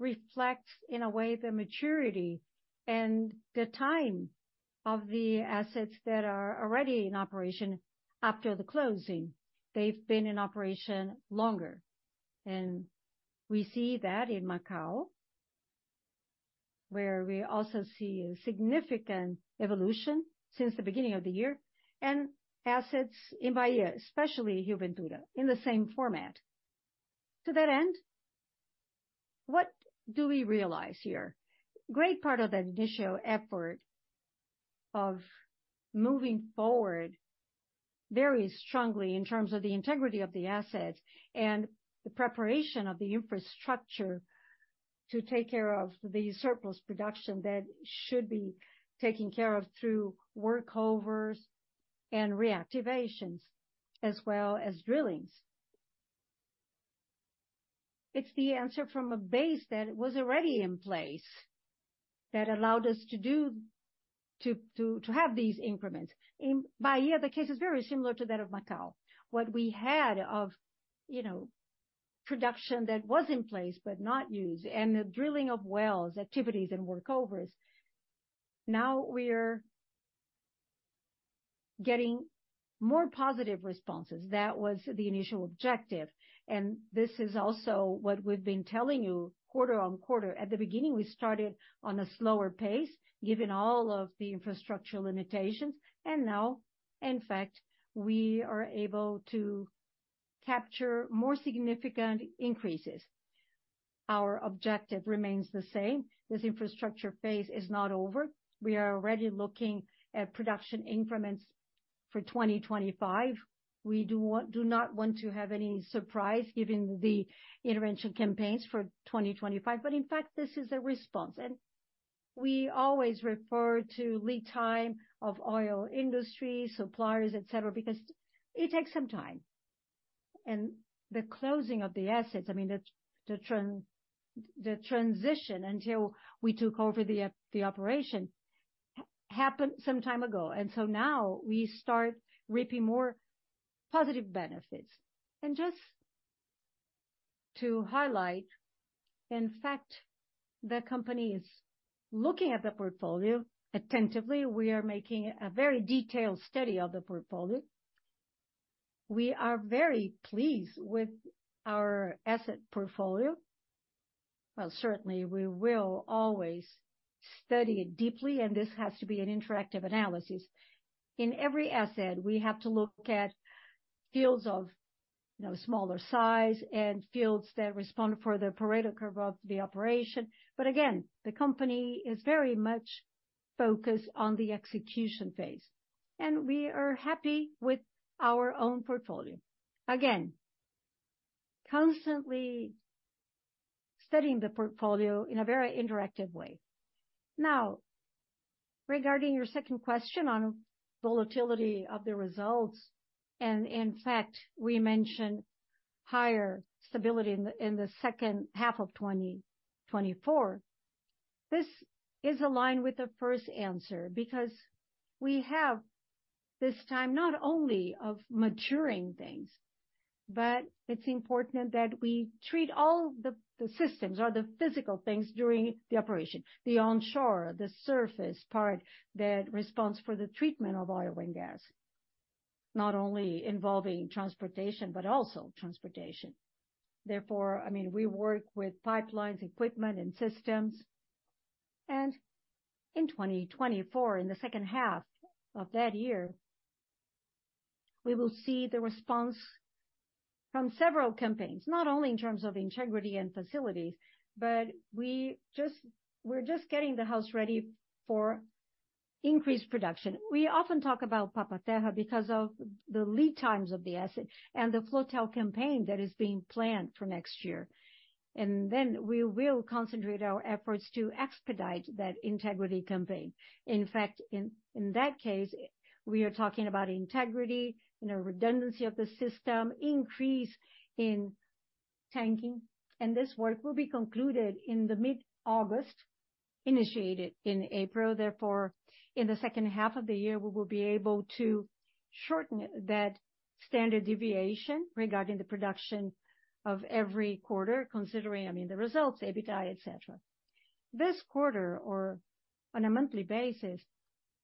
reflects, in a way, the maturity and the time of the assets that are already in operation after the closing. They've been in operation longer, and we see that in Macau, where we also see a significant evolution since the beginning of the year, and assets in Bahia, especially Rio Ventura, in the same format. To that end, what do we realize here? Great part of that initial effort of moving forward very strongly in terms of the integrity of the assets and the preparation of the infrastructure to take care of the surplus production that should be taken care of through workovers and reactivations, as well as drillings. It's the answer from a base that was already in place that allowed us to do to have these increments. In Bahia, the case is very similar to that of Macau. What we had of, you know, production that was in place but not used, and the drilling of wells, activities and workovers. Now we're getting more positive responses. That was the initial objective, and this is also what we've been telling you quarter on quarter. At the beginning, we started on a slower pace, given all of the infrastructure limitations, and now, in fact, we are able to capture more significant increases. Our objective remains the same. This infrastructure phase is not over. We are already looking at production increments for 2025. We do not want to have any surprise, given the intervention campaigns for 2025, but in fact, this is a response, and we always refer to lead time of oil industry, suppliers, et cetera, because it takes some time. The closing of the assets, I mean, the transition until we took over the operation, happened some time ago, and so now we start reaping more positive benefits. Just to highlight, in fact, the company is looking at the portfolio attentively. We are making a very detailed study of the portfolio. We are very pleased with our asset portfolio. Well, certainly, we will always study it deeply, and this has to be an interactive analysis. In every asset, we have to look at fields of, you know, smaller size and fields that respond for the Pareto curve of the operation. But again, the company is very much focused on the execution phase, and we are happy with our own portfolio. Again, constantly studying the portfolio in a very interactive way. Now, regarding your second question on volatility of the results, and in fact, we mentioned higher stability in the second half of 2024. This is aligned with the first answer, because we have this time not only of maturing things, but it's important that we treat all the systems or the physical things during the operation, the onshore, the surface part, that responds for the treatment of oil and gas, not only involving transportation, but also transportation. Therefore, I mean, we work with pipelines, equipment and systems, and in 2024, in the second half of that year, we will see the response from several campaigns, not only in terms of integrity and facilities, but we're just getting the house ready for-... increased production. We often talk about Papa-Terra because of the lead times of the asset and the Floatel campaign that is being planned for next year. And then we will concentrate our efforts to expedite that integrity campaign. In fact, in that case, we are talking about integrity, you know, redundancy of the system, increase in tanking, and this work will be concluded in mid-August, initiated in April. Therefore, in the second half of the year, we will be able to shorten that standard deviation regarding the production of every quarter, considering, I mean, the results, EBITDA, et cetera. This quarter, or on a monthly basis,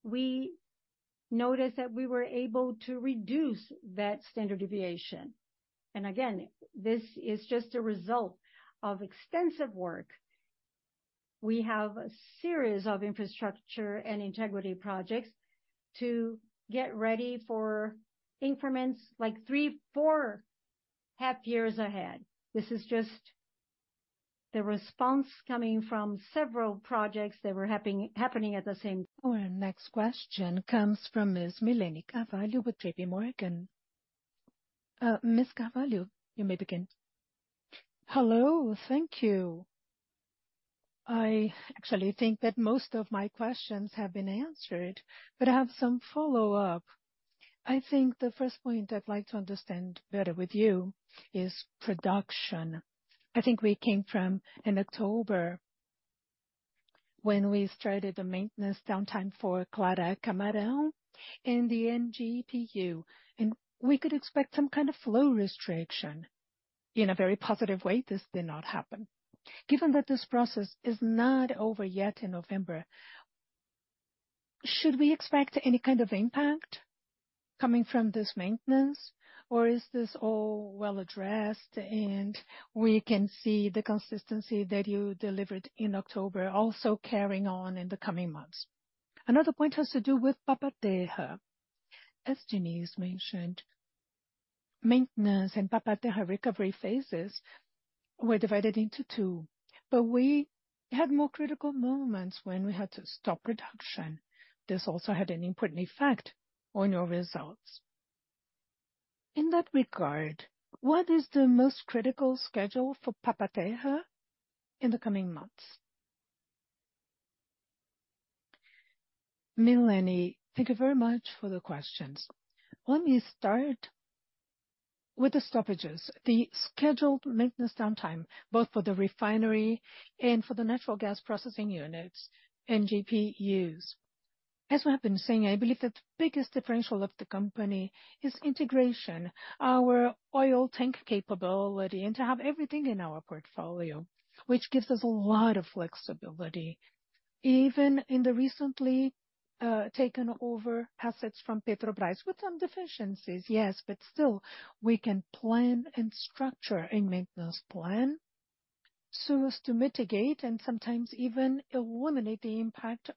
we noticed that we were able to reduce that standard deviation. And again, this is just a result of extensive work. We have a series of infrastructure and integrity projects to get ready for increments like three to 4.5 years ahead. This is just the response coming from several projects that were happening at the same. Our next question comes from Ms. Milene Carvalho with JPMorgan. Ms. Carvalho, you may begin. Hello. Thank you. I actually think that most of my questions have been answered, but I have some follow-up. I think the first point I'd like to understand better with you is production. I think we came from, in October, when we started the maintenance downtime for Clara Camarão and the UPGN, and we could expect some kind of flow restriction. In a very positive way, this did not happen. Given that this process is not over yet in November, should we expect any kind of impact coming from this maintenance, or is this all well addressed and we can see the consistency that you delivered in October also carrying on in the coming months? Another point has to do with Papa-Terra. As Diniz mentioned, maintenance and Papa-Terra recovery phases were divided into two, but we had more critical moments when we had to stop production. This also had an important effect on your results. In that regard, what is the most critical schedule for Papa-Terra in the coming months? Milene, thank you very much for the questions. Let me start with the stoppages, the scheduled maintenance downtime, both for the refinery and for the natural gas processing units, NGPUs. As we have been saying, I believe the biggest differential of the company is integration. Our oil tank capability, and to have everything in our portfolio, which gives us a lot of flexibility, even in the recently taken over assets from Petrobras, with some deficiencies, yes, but still, we can plan and structure a maintenance plan so as to mitigate and sometimes even eliminate the impact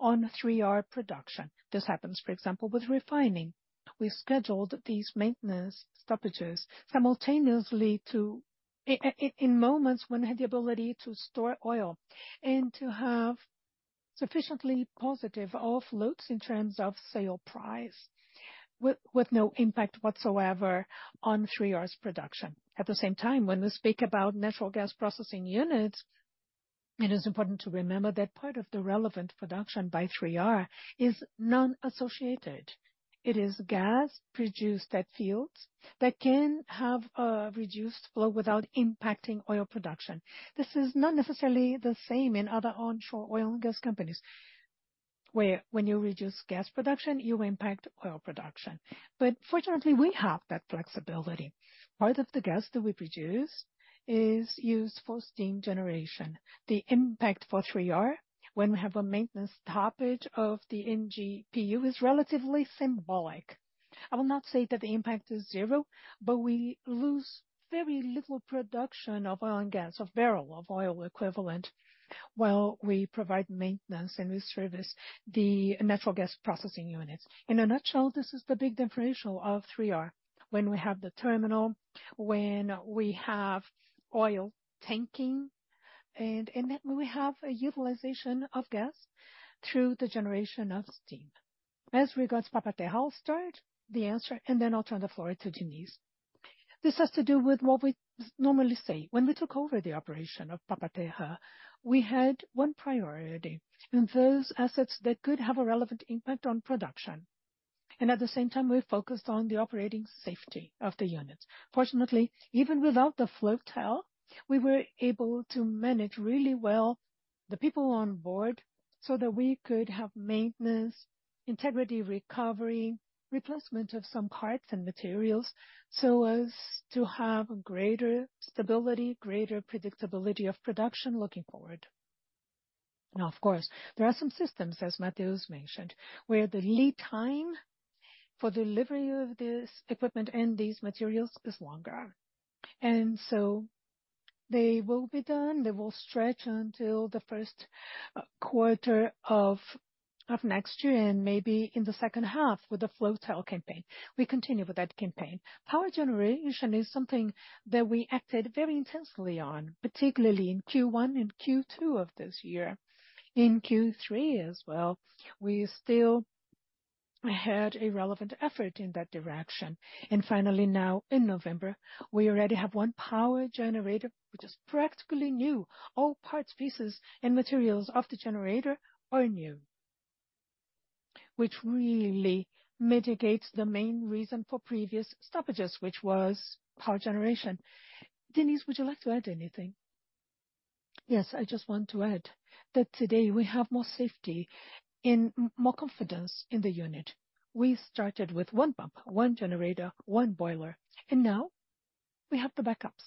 on 3R production. This happens, for example, with refining. We scheduled these maintenance stoppages simultaneously in moments when we had the ability to store oil and to have sufficiently positive offloads in terms of sale price, with, with no impact whatsoever on 3R's production. At the same time, when we speak about natural gas processing units, it is important to remember that part of the relevant production by 3R is non-associated. It is gas produced at fields that can have a reduced flow without impacting oil production. This is not necessarily the same in other onshore oil and gas companies, where when you reduce gas production, you impact oil production. But fortunately, we have that flexibility. Part of the gas that we produce is used for steam generation. The impact for 3R when we have a maintenance stoppage of the UPGN is relatively symbolic. I will not say that the impact is zero, but we lose very little production of oil and gas, of barrel, of oil equivalent, while we provide maintenance and we service the natural gas processing units. In a nutshell, this is the big differential of 3R. When we have the terminal, when we have oil tanking, and then we have a utilization of gas through the generation of steam. As regards Papa-Terra, I'll start the answer, and then I'll turn the floor to Diniz. This has to do with what we normally say. When we took over the operation of Papa-Terra, we had one priority: in those assets that could have a relevant impact on production, and at the same time, we focused on the operating safety of the units. Fortunately, even without the Floatel, we were able to manage really well the people on board so that we could have maintenance, integrity, recovery, replacement of some parts and materials, so as to have greater stability, greater predictability of production looking forward. Now, of course, there are some systems, as Matheus mentioned, where the lead time for delivery of this equipment and these materials is longer, and so they will be done. They will stretch until the first quarter of next year, and maybe in the second half with the Floatel campaign. We continue with that campaign. Power generation is something that we acted very intensely on, particularly in Q1 and Q2 of this year. In Q3 as well, we still had a relevant effort in that direction. And finally, now, in November, we already have one power generator, which is practically new. All parts, pieces, and materials of the generator are new, which really mitigates the main reason for previous stoppages, which was power generation. Diniz, would you like to add anything? Yes, I just want to add that today we have more safety and more confidence in the unit. We started with one pump, one generator, one boiler, and now we have the backups.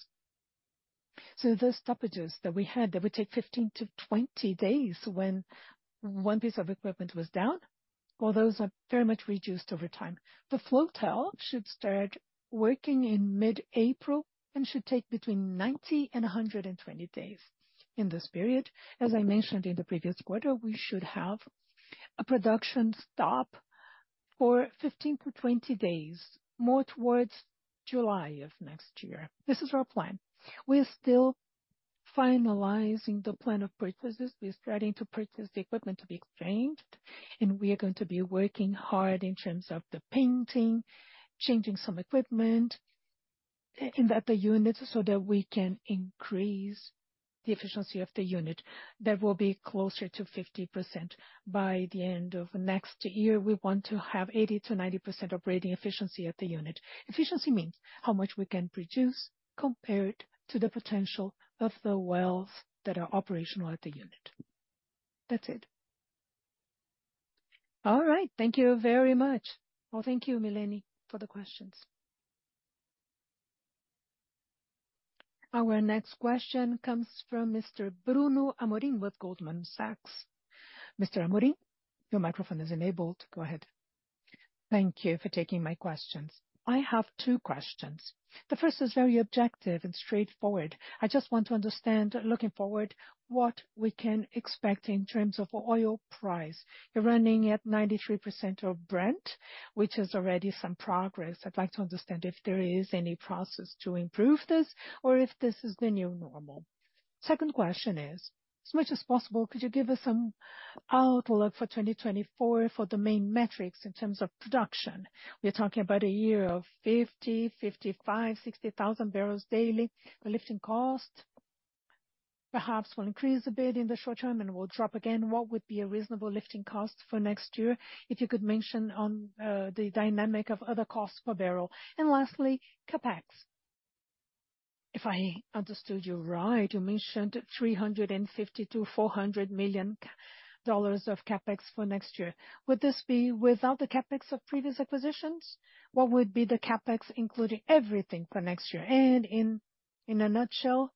So the stoppages that we had, that would take 15-20 days when one piece of equipment was down, well, those are very much reduced over time. The Floatel should start working in mid-April and should take between 90 and 120 days. In this period, as I mentioned in the previous quarter, we should have a production stop for 15-20 days, more towards July of next year. This is our plan. We're still finalizing the plan of purchases. We're starting to purchase the equipment to be trained, and we are going to be working hard in terms of the painting, changing some equipment, in the unit, so that we can increase the efficiency of the unit. That will be closer to 50%. By the end of next year, we want to have 80%-90% operating efficiency at the unit. Efficiency means how much we can produce compared to the potential of the wells that are operational at the unit. That's it. All right. Thank you very much. Well, thank you, Milene, for the questions. Our next question comes from Mr. Bruno Amorim with Goldman Sachs. Mr. Amorim, your microphone is enabled. Go ahead. Thank you for taking my questions. I have two questions. The first is very objective and straightforward. I just want to understand, looking forward, what we can expect in terms of oil price. You're running at 93% of Brent, which is already some progress. I'd like to understand if there is any process to improve this or if this is the new normal. Second question is, as much as possible, could you give us some outlook for 2024 for the main metrics in terms of production? We're talking about a year of 50,000, 55,000, 60,000 barrels daily. The lifting cost perhaps will increase a bit in the short term and will drop again. What would be a reasonable lifting cost for next year? If you could mention on the dynamic of other costs per barrel. And lastly, CapEx. If I understood you right, you mentioned $350 million-$400 million of CapEx for next year. Would this be without the CapEx of previous acquisitions? What would be the CapEx, including everything for next year? And in a nutshell,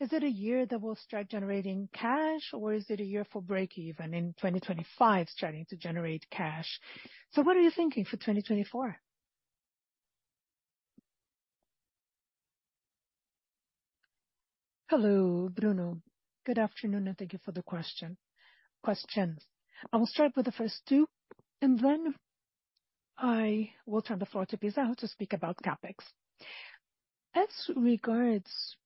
is it a year that will start generating cash, or is it a year for breakeven, in 2025, starting to generate cash? So what are you thinking for 2024? Hello, Bruno. Good afternoon, and thank you for the questions. I will start with the first two, and then I will turn the floor to Pizarro to speak about CapEx. As regards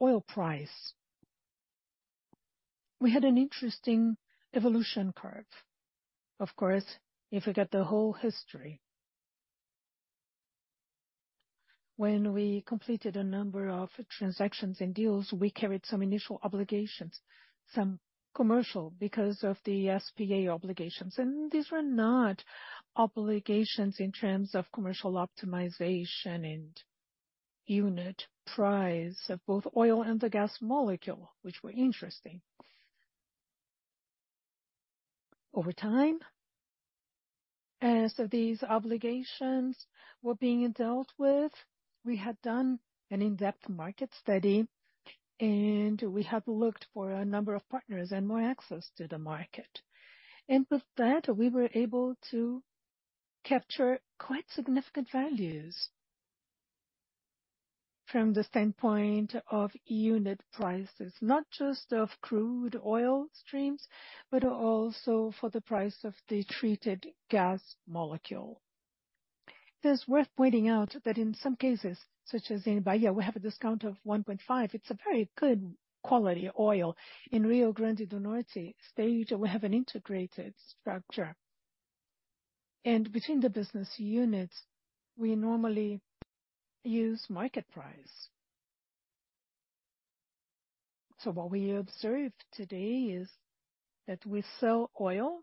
oil price, we had an interesting evolution curve. Of course, if we got the whole history. When we completed a number of transactions and deals, we carried some initial obligations, some commercial, because of the SPA obligations, and these were not obligations in terms of commercial optimization and unit price of both oil and the gas molecule, which were interesting. Over time, as these obligations were being dealt with, we had done an in-depth market study, and we have looked for a number of partners and more access to the market. And with that, we were able to capture quite significant values from the standpoint of unit prices, not just of crude oil streams, but also for the price of the treated gas molecule. It's worth pointing out that in some cases, such as in Bahia, we have a discount of $1.5. It's a very good quality oil. In Rio Grande do Norte stage, we have an integrated structure, and between the business units, we normally use market price. So what we observe today is that we sell oil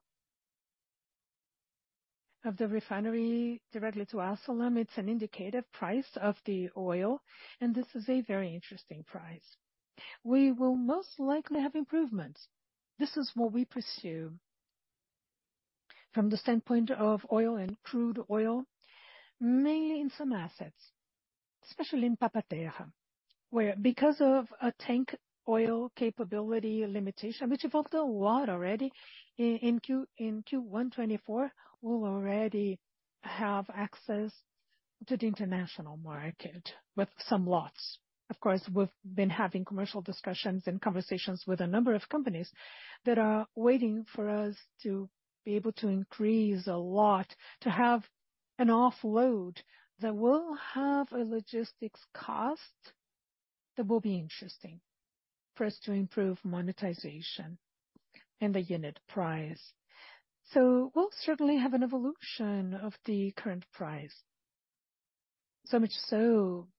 of the refinery directly to Acelen. It's an indicative price of the oil, and this is a very interesting price. We will most likely have improvements. This is what we pursue from the standpoint of oil and crude oil, mainly in some assets, especially in Papa-Terra, where because of a tank oil capability limitation, which evolved a lot already in Q1 2024, we'll already have access to the international market with some lots. Of course, we've been having commercial discussions and conversations with a number of companies that are waiting for us to be able to increase a lot, to have an offload that will have a logistics cost... That will be interesting for us to improve monetization and the unit price. So we'll certainly have an evolution of the current price. So much so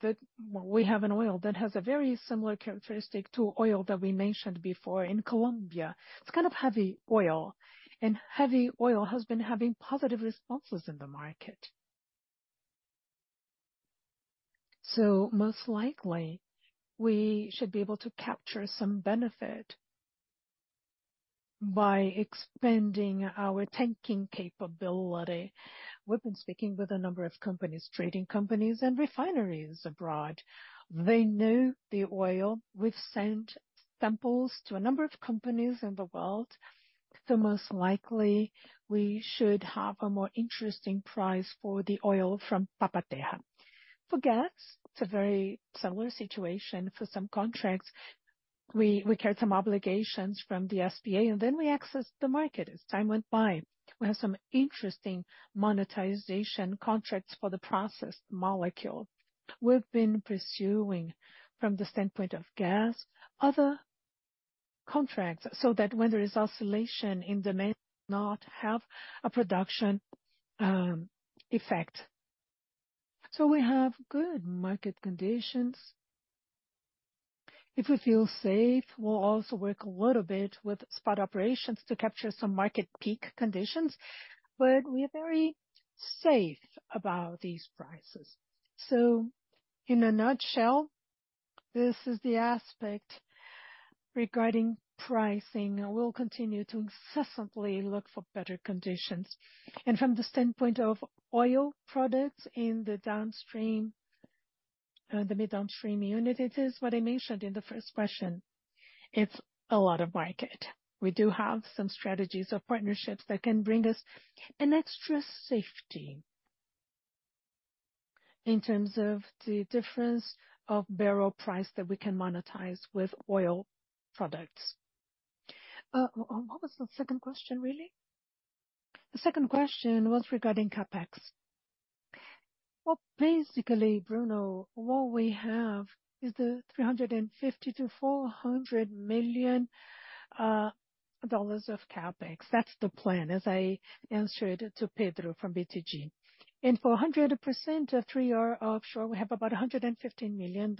that we have an oil that has a very similar characteristic to oil that we mentioned before in Colombia. It's kind of heavy oil, and heavy oil has been having positive responses in the market. So most likely, we should be able to capture some benefit by expanding our tanking capability. We've been speaking with a number of companies, trading companies and refineries abroad. They know the oil. We've sent samples to a number of companies in the world, so most likely, we should have a more interesting price for the oil from Papa-Terra. For gas, it's a very similar situation. For some contracts, we carry some obligations from the SPA, and then we access the market as time went by. We have some interesting monetization contracts for the processed molecule. We've been pursuing, from the standpoint of gas, other contracts, so that when there is oscillation in demand, not have a production effect. So we have good market conditions. If we feel safe, we'll also work a little bit with spot operations to capture some market peak conditions, but we are very safe about these prices. So in a nutshell, this is the aspect regarding pricing, and we'll continue to incessantly look for better conditions. And from the standpoint of oil products in the downstream, the mid downstream unit, it is what I mentioned in the first question. It's a lot of market. We do have some strategies or partnerships that can bring us an extra safety in terms of the difference of barrel price that we can monetize with oil products. What was the second question, really? The second question was regarding CapEx. Well, basically, Bruno, what we have is the $350 million-$400 million of CapEx. That's the plan, as I answered to Pedro from BTG. And for 100% of 3R Offshore, we have about $115 million.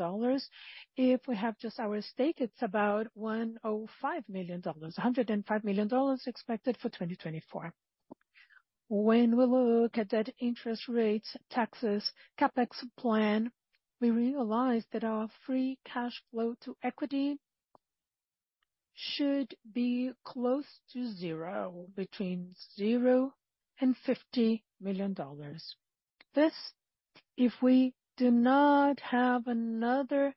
If we have just our stake, it's about $105 million, $105 million expected for 2024. When we look at debt interest rates, taxes, CapEx plan, we realize that our free cash flow to equity should be close to zero, between $0 and $50 million. This, if we do not have another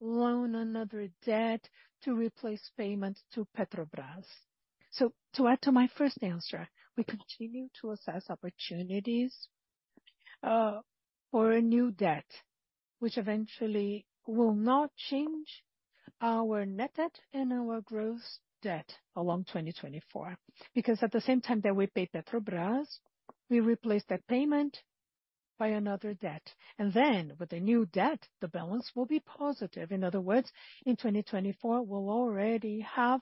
loan, another debt, to replace payment to Petrobras. So to add to my first answer, we continue to assess opportunities for a new debt, which eventually will not change our net debt and our gross debt along 2024. Because at the same time that we pay Petrobras, we replace that payment by another debt, and then with the new debt, the balance will be positive. In other words, in 2024, we'll already have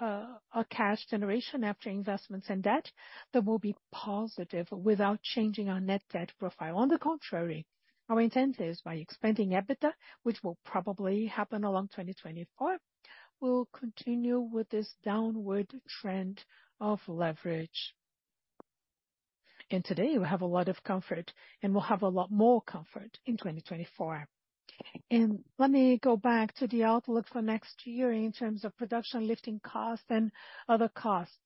a cash generation after investments and debt that will be positive without changing our net debt profile. On the contrary, our intent is by expanding EBITDA, which will probably happen along 2024, we'll continue with this downward trend of leverage. And today, we have a lot of comfort, and we'll have a lot more comfort in 2024. And let me go back to the outlook for next year in terms of production lifting costs and other costs.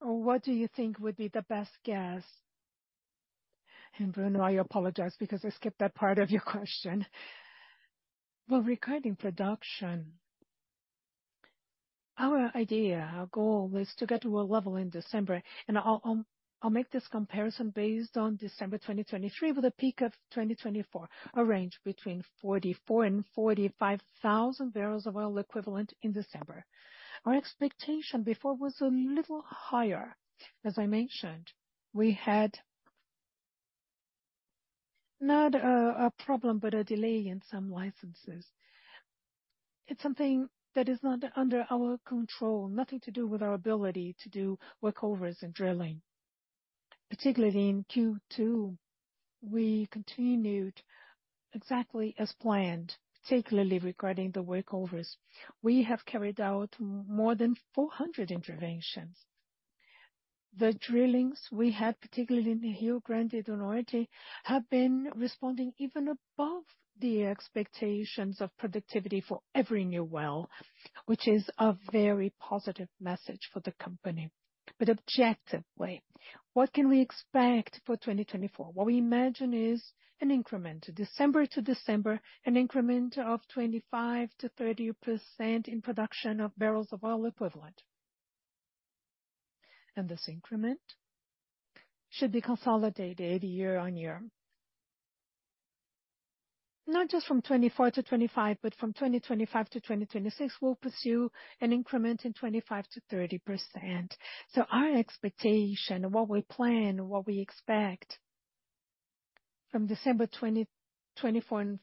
What do you think would be the best guess? And Bruno, I apologize because I skipped that part of your question. Well, regarding production, our idea, our goal, is to get to a level in December, and I'll make this comparison based on December 2023, with a peak of 2024, a range between 44,000 and 45,000 barrels of oil equivalent in December. Our expectation before was a little higher. As I mentioned, we had not a problem, but a delay in some licenses. It's something that is not under our control, nothing to do with our ability to do workovers and drilling. Particularly in Q2, we continued exactly as planned, particularly regarding the workovers. We have carried out more than 400 interventions. The drillings we had, particularly in the Rio Grande do Norte, have been responding even above the expectations of productivity for every new well, which is a very positive message for the company. But objectively, what can we expect for 2024? What we imagine is an increment. December to December, an increment of 25%-30% in production of barrels of oil equivalent. And this increment should be consolidated year on year. Not just from 2024 to 2025, but from 2025 to 2026, we'll pursue an increment in 25%-30%. So our expectation, what we plan, what we expect-... from December 2024 and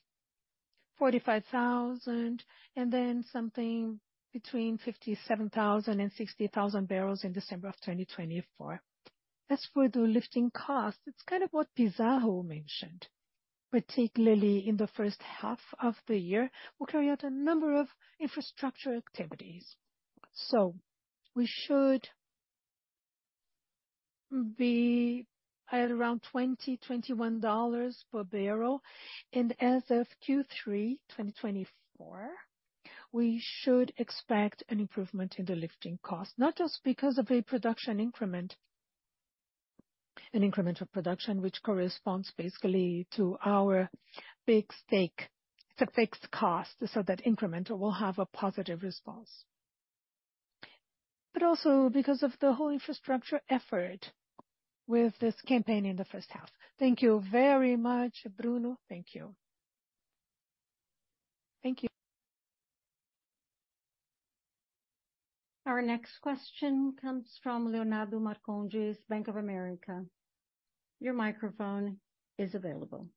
45,000, and then something between 57,000 and 60,000 barrels in December 2024. As for the lifting cost, it's kind of what Pizarro mentioned, particularly in the first half of the year, we carry out a number of infrastructure activities. So we should be at around $20-$21 per barrel, and as of Q3 2024, we should expect an improvement in the lifting cost, not just because of a production increment, an incremental production, which corresponds basically to our big stake. It's a fixed cost, so that incremental will have a positive response. But also because of the whole infrastructure effort with this campaign in the first half. Thank you very much, Bruno. Thank you. Thank you. Our next question comes from Leonardo Marcondes, Bank of America. Your microphone is available.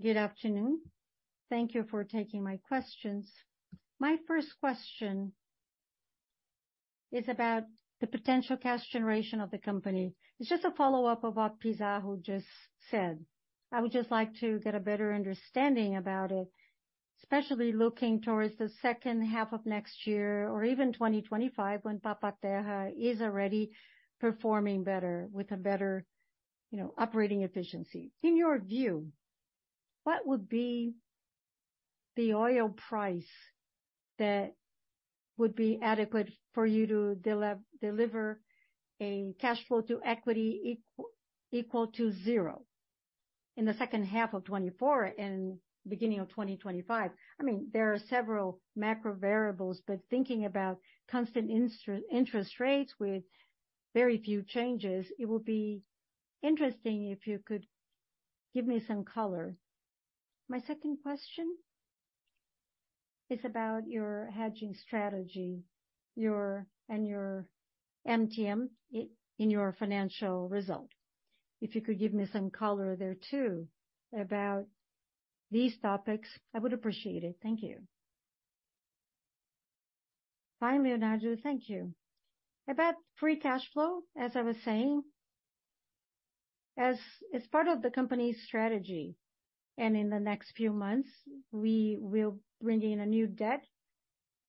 Good afternoon. Thank you for taking my questions. My first question is about the potential cash generation of the company. It's just a follow-up of what Pizarro just said. I would just like to get a better understanding about it, especially looking towards the second half of next year or even 2025, when Papa-Terra is already performing better with a better, you know, operating efficiency. In your view, what would be the oil price that would be adequate for you to deliver a cash flow to equity equal to zero in the second half of 2024 and beginning of 2025? I mean, there are several macro variables, but thinking about constant interest rates with very few changes, it will be interesting if you could give me some color. My second question is about your hedging strategy and your MTM in your financial result. If you could give me some color there, too, about these topics, I would appreciate it. Thank you. Hi, Leonardo. Thank you. About free cash flow, as I was saying, as part of the company's strategy, and in the next few months, we will bring in a new debt,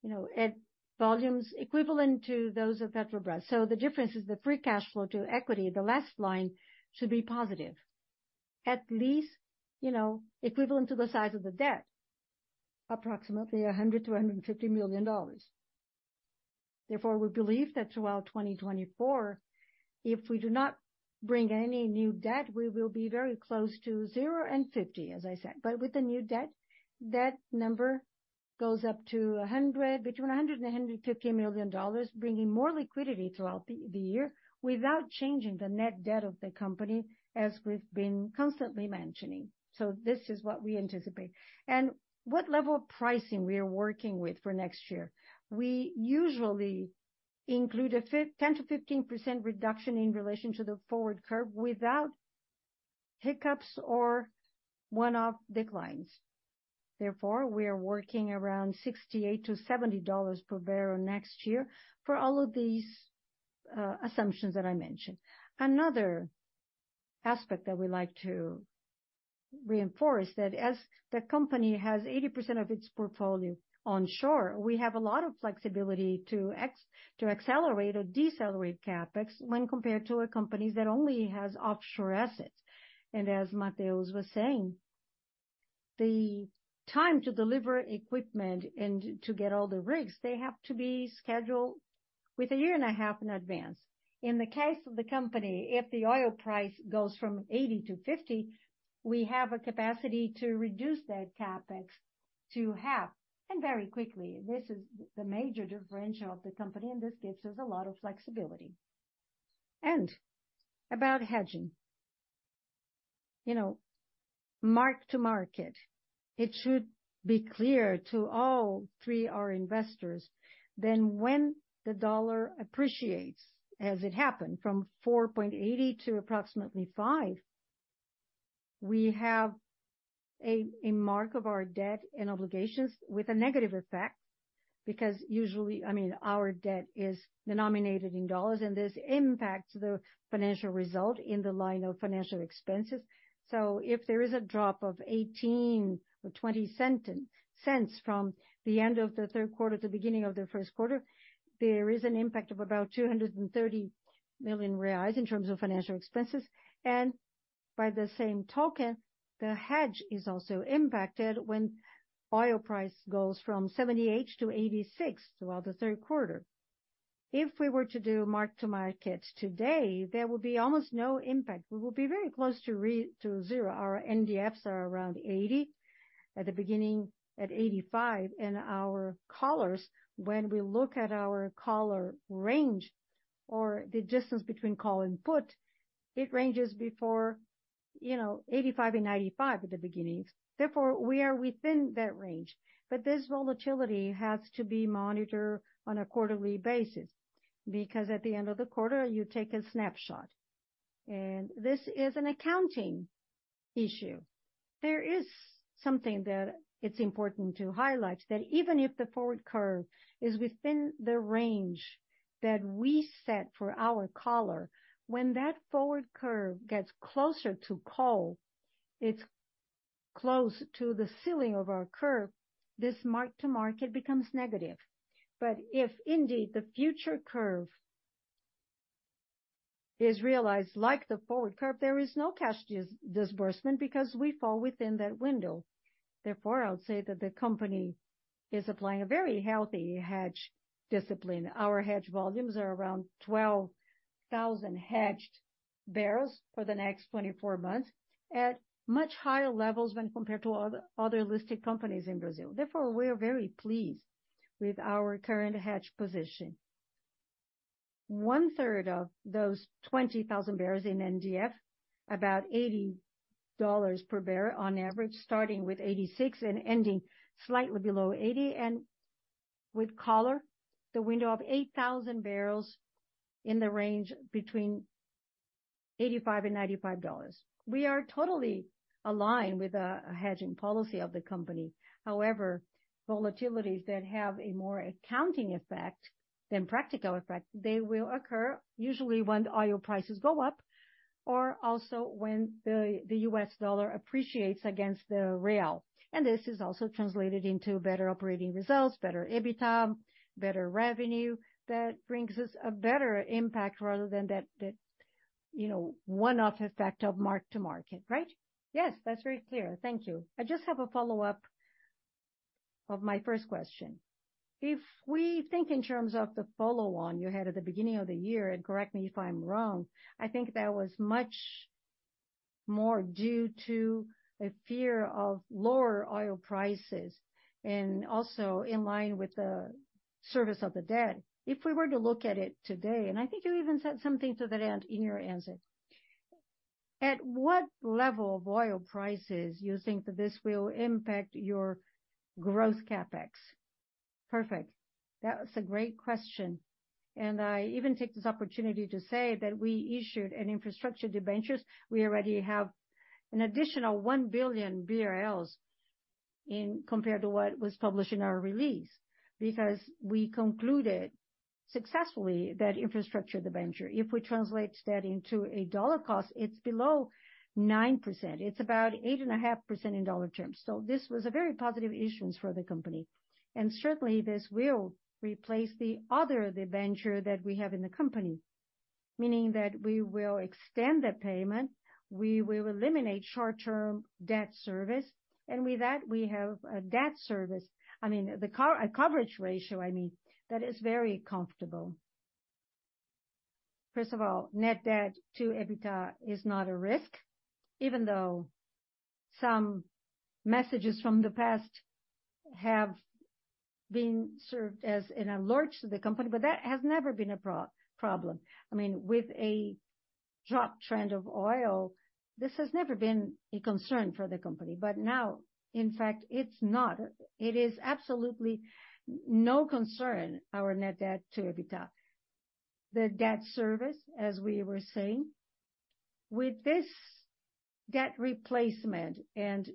you know, at volumes equivalent to those of Petrobras. So the difference is the free cash flow to equity, the last line should be positive. At least, you know, equivalent to the size of the debt, approximately $100 million-$150 million. Therefore, we believe that throughout 2024, if we do not bring any new debt, we will be very close to $0-$50 million, as I said. But with the new debt, that number goes up to $100 million, between $100 million and $150 million, bringing more liquidity throughout the year without changing the net debt of the company, as we've been constantly mentioning. So this is what we anticipate. And what level of pricing we are working with for next year? We usually include a 10%-15% reduction in relation to the forward curve without hiccups or one-off declines. Therefore, we are working around $68-$70 per barrel next year for all of these assumptions that I mentioned. Another aspect that we like to reinforce, that as the company has 80% of its portfolio onshore, we have a lot of flexibility to accelerate or decelerate CapEx when compared to a company that only has offshore assets. As Matheus was saying, the time to deliver equipment and to get all the rigs, they have to be scheduled with a year and a half in advance. In the case of the company, if the oil price goes from $80-$50, we have a capacity to reduce that CapEx to half, and very quickly. This is the major differential of the company, and this gives us a lot of flexibility. About hedging, you know, mark to market, it should be clear to all of our investors that when the dollar appreciates, as it happened, from 4.80 to approximately five, we have a mark of our debt and obligations with a negative effect, because usually... I mean, our debt is denominated in dollars, and this impacts the financial result in the line of financial expenses. So if there is a drop of $0.18 or $0.20 cents from the end of the third quarter to the beginning of the first quarter, there is an impact of about 230 million reais in terms of financial expenses. And by the same token, the hedge is also impacted when oil price goes from $78 to $86 throughout the third quarter. If we were to do mark to market today, there will be almost no impact. We will be very close to to zero. Our NDFs are around $80, at the beginning, at $85, and our collars, when we look at our collar range or the distance between call and put, it ranges before, you know, $85 and $95 at the beginning. Therefore, we are within that range, but this volatility has to be monitored on a quarterly basis... because at the end of the quarter, you take a snapshot, and this is an accounting issue. There is something that it's important to highlight, that even if the forward curve is within the range that we set for our collar, when that forward curve gets closer to call, it's close to the ceiling of our curve, this mark-to-market becomes negative. But if indeed, the future curve is realized like the forward curve, there is no cash disbursement, because we fall within that window. Therefore, I would say that the company is applying a very healthy hedge discipline. Our hedge volumes are around 12,000 hedged barrels for the next 24 months at much higher levels when compared to other, other listed companies in Brazil. Therefore, we are very pleased with our current hedge position. One third of those 20,000 barrels in NDF, about $80 per barrel on average, starting with $86 and ending slightly below $80, and with collar, the window of 8,000 barrels in the range between $85 and $95. We are totally aligned with the hedging policy of the company. However, volatilities that have a more accounting effect than practical effect, they will occur usually when the oil prices go up, or also when the U.S. dollar appreciates against the real. And this is also translated into better operating results, better EBITDA, better revenue, that brings us a better impact rather than that, you know, one-off effect of mark-to-market, right? Yes, that's very clear. Thank you. I just have a follow-up of my first question. If we think in terms of the follow-on you had at the beginning of the year, and correct me if I'm wrong, I think that was much more due to a fear of lower oil prices and also in line with the service of the debt. If we were to look at it today, and I think you even said something to that end in your answer, at what level of oil prices do you think that this will impact your growth CapEx? Perfect. That's a great question, and I even take this opportunity to say that we issued an Infrastructure Debentures. We already have an additional 1 billion BRL in, compared to what was published in our release, because we concluded successfully that Infrastructure Debenture, if we translate that into a dollar cost, it's below 9%. It's about 8.5% in dollar terms. So this was a very positive issuance for the company, and certainly, this will replace the other debenture that we have in the company. Meaning that we will extend the payment, we will eliminate short-term debt service, and with that, we have a debt service coverage ratio, I mean, that is very comfortable. First of all, net debt-to-EBITDA is not a risk, even though some messages from the past have been served as an alert to the company, but that has never been a problem. I mean, with a drop trend of oil, this has never been a concern for the company, but now, in fact, it's not. It is absolutely no concern, our net debt-to-EBITDA. The debt service, as we were saying, with this debt replacement and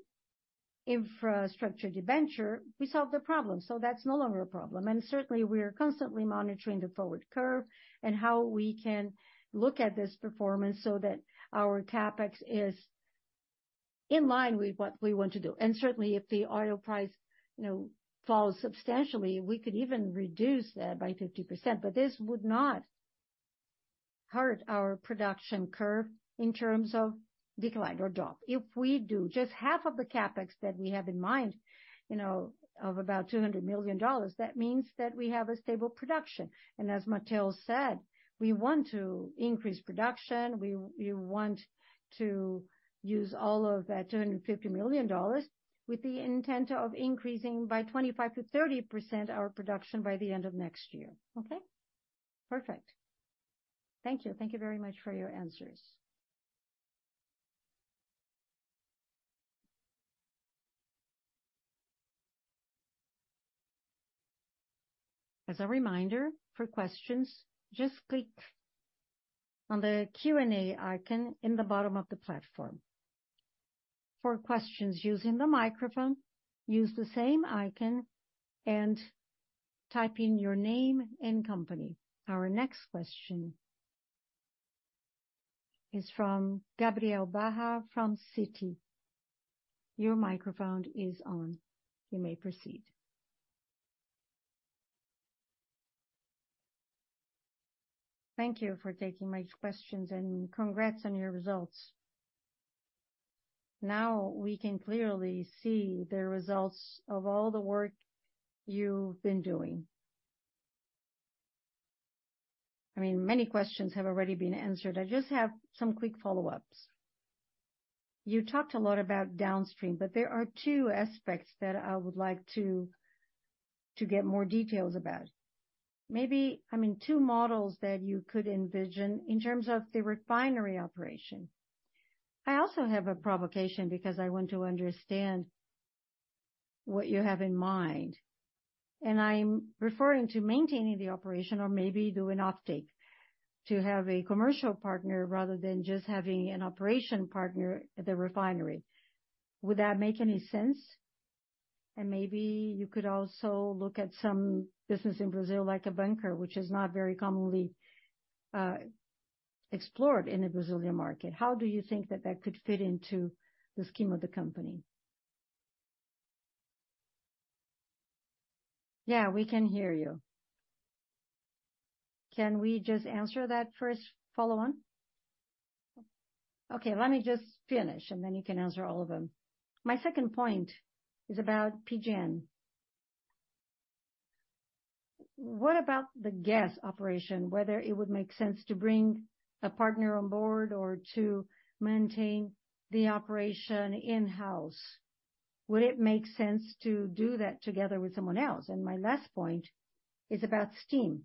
infrastructure debenture, we solved the problem, so that's no longer a problem. Certainly, we are constantly monitoring the forward curve and how we can look at this performance so that our CapEx is in line with what we want to do. Certainly, if the oil price, you know, falls substantially, we could even reduce that by 50%, but this would not hurt our production curve in terms of decline or drop. If we do just half of the CapEx that we have in mind, you know, of about $200 million, that means that we have a stable production. As Matheus said, we want to increase production, we, we want to use all of that $250 million with the intent of increasing by 25%-30% our production by the end of next year. Okay? Perfect. Thank you. Thank you very much for your answers. As a reminder, for questions, just click on the Q&A icon in the bottom of the platform. For questions using the microphone, use the same icon and type in your name and company. Our next question is from Gabriel Barra from Citi. Your microphone is on. You may proceed. Thank you for taking my questions, and congrats on your results. Now, we can clearly see the results of all the work you've been doing. I mean, many questions have already been answered. I just have some quick follow-ups. You talked a lot about downstream, but there are two aspects that I would like to, to get more details about. Maybe, I mean, two models that you could envision in terms of the refinery operation. I also have a provocation because I want to understand-... What you have in mind, and I'm referring to maintaining the operation or maybe do an offtake to have a commercial partner rather than just having an operation partner at the refinery. Would that make any sense? And maybe you could also look at some business in Brazil, like a bunker, which is not very commonly explored in the Brazilian market. How do you think that that could fit into the scheme of the company? Yeah, we can hear you. Can we just answer that first follow-on? Okay, let me just finish, and then you can answer all of them. My second point is about UPGN. What about the gas operation, whether it would make sense to bring a partner on board or to maintain the operation in-house? Would it make sense to do that together with someone else? And my last point is about steam.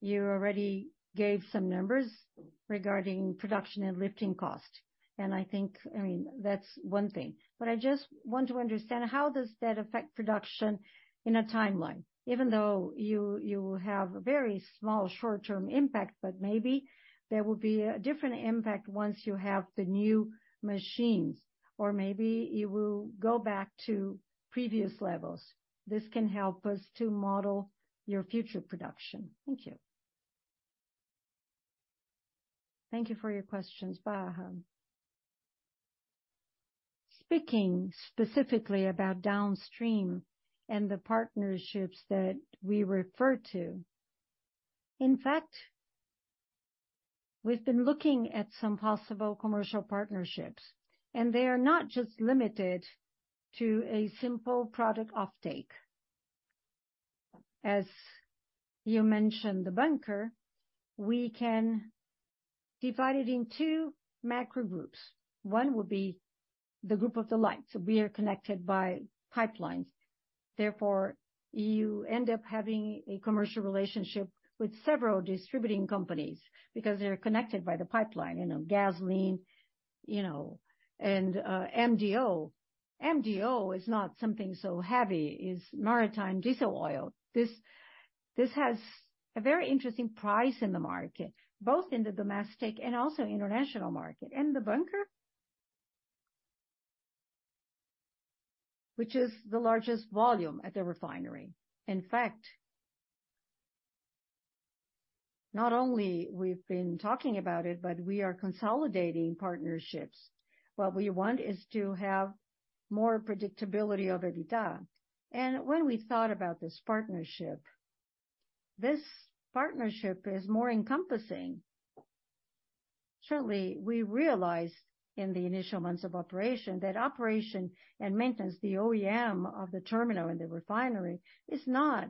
You already gave some numbers regarding production and lifting costs, and I think, I mean, that's one thing, but I just want to understand how does that affect production in a timeline, even though you have a very small short-term impact, but maybe there will be a different impact once you have the new machines, or maybe it will go back to previous levels. This can help us to model your future production. Thank you. Thank you for your questions, Barra. Speaking specifically about downstream and the partnerships that we refer to, in fact, we've been looking at some possible commercial partnerships, and they are not just limited to a simple product offtake. As you mentioned, the bunker, we can divide it in two macro groups. One would be the group of the lights. We are connected by pipelines. Therefore, you end up having a commercial relationship with several distributing companies because they're connected by the pipeline, you know, gasoline, you know, and MDO. MDO is not something so heavy; it's maritime diesel oil. This, this has a very interesting price in the market, both in the domestic and also international market. And the bunker, which is the largest volume at the refinery. In fact, not only we've been talking about it, but we are consolidating partnerships. What we want is to have more predictability of EBITDA. And when we thought about this partnership, this partnership is more encompassing. Surely, we realized in the initial months of operation, that operation and maintenance, the O&M of the terminal and the refinery, is not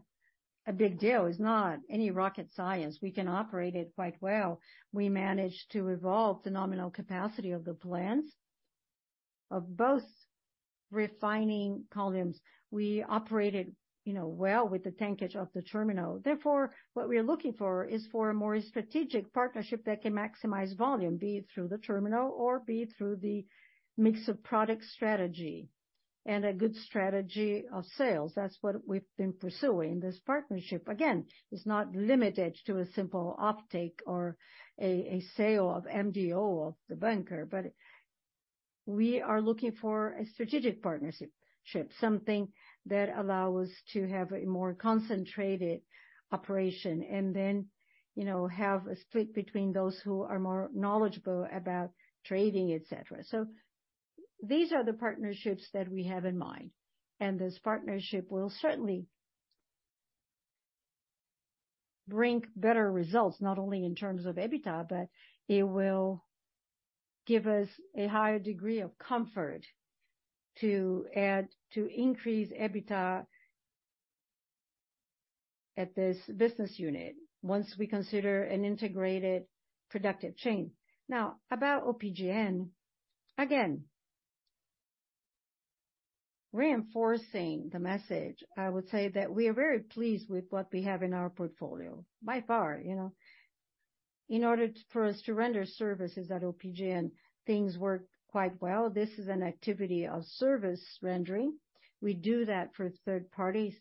a big deal; it's not any rocket science. We can operate it quite well. We managed to evolve the nominal capacity of the plants, of both refining columns. We operated, you know, well with the tankage of the terminal. Therefore, what we are looking for is for a more strategic partnership that can maximize volume, be it through the terminal or be it through the mix of product strategy and a good strategy of sales. That's what we've been pursuing. This partnership, again, is not limited to a simple offtake or a sale of MDO of the bunker, but we are looking for a strategic partnership, something that allow us to have a more concentrated operation and then, you know, have a split between those who are more knowledgeable about trading, et cetera. So these are the partnerships that we have in mind, and this partnership will certainly bring better results, not only in terms of EBITDA, but it will give us a higher degree of comfort to add, to increase EBITDA at this business unit once we consider an integrated productive chain. Now, about UPGN, again, reinforcing the message, I would say that we are very pleased with what we have in our portfolio. By far, you know, in order for us to render services at UPGN, things work quite well. This is an activity of service rendering. We do that for third parties,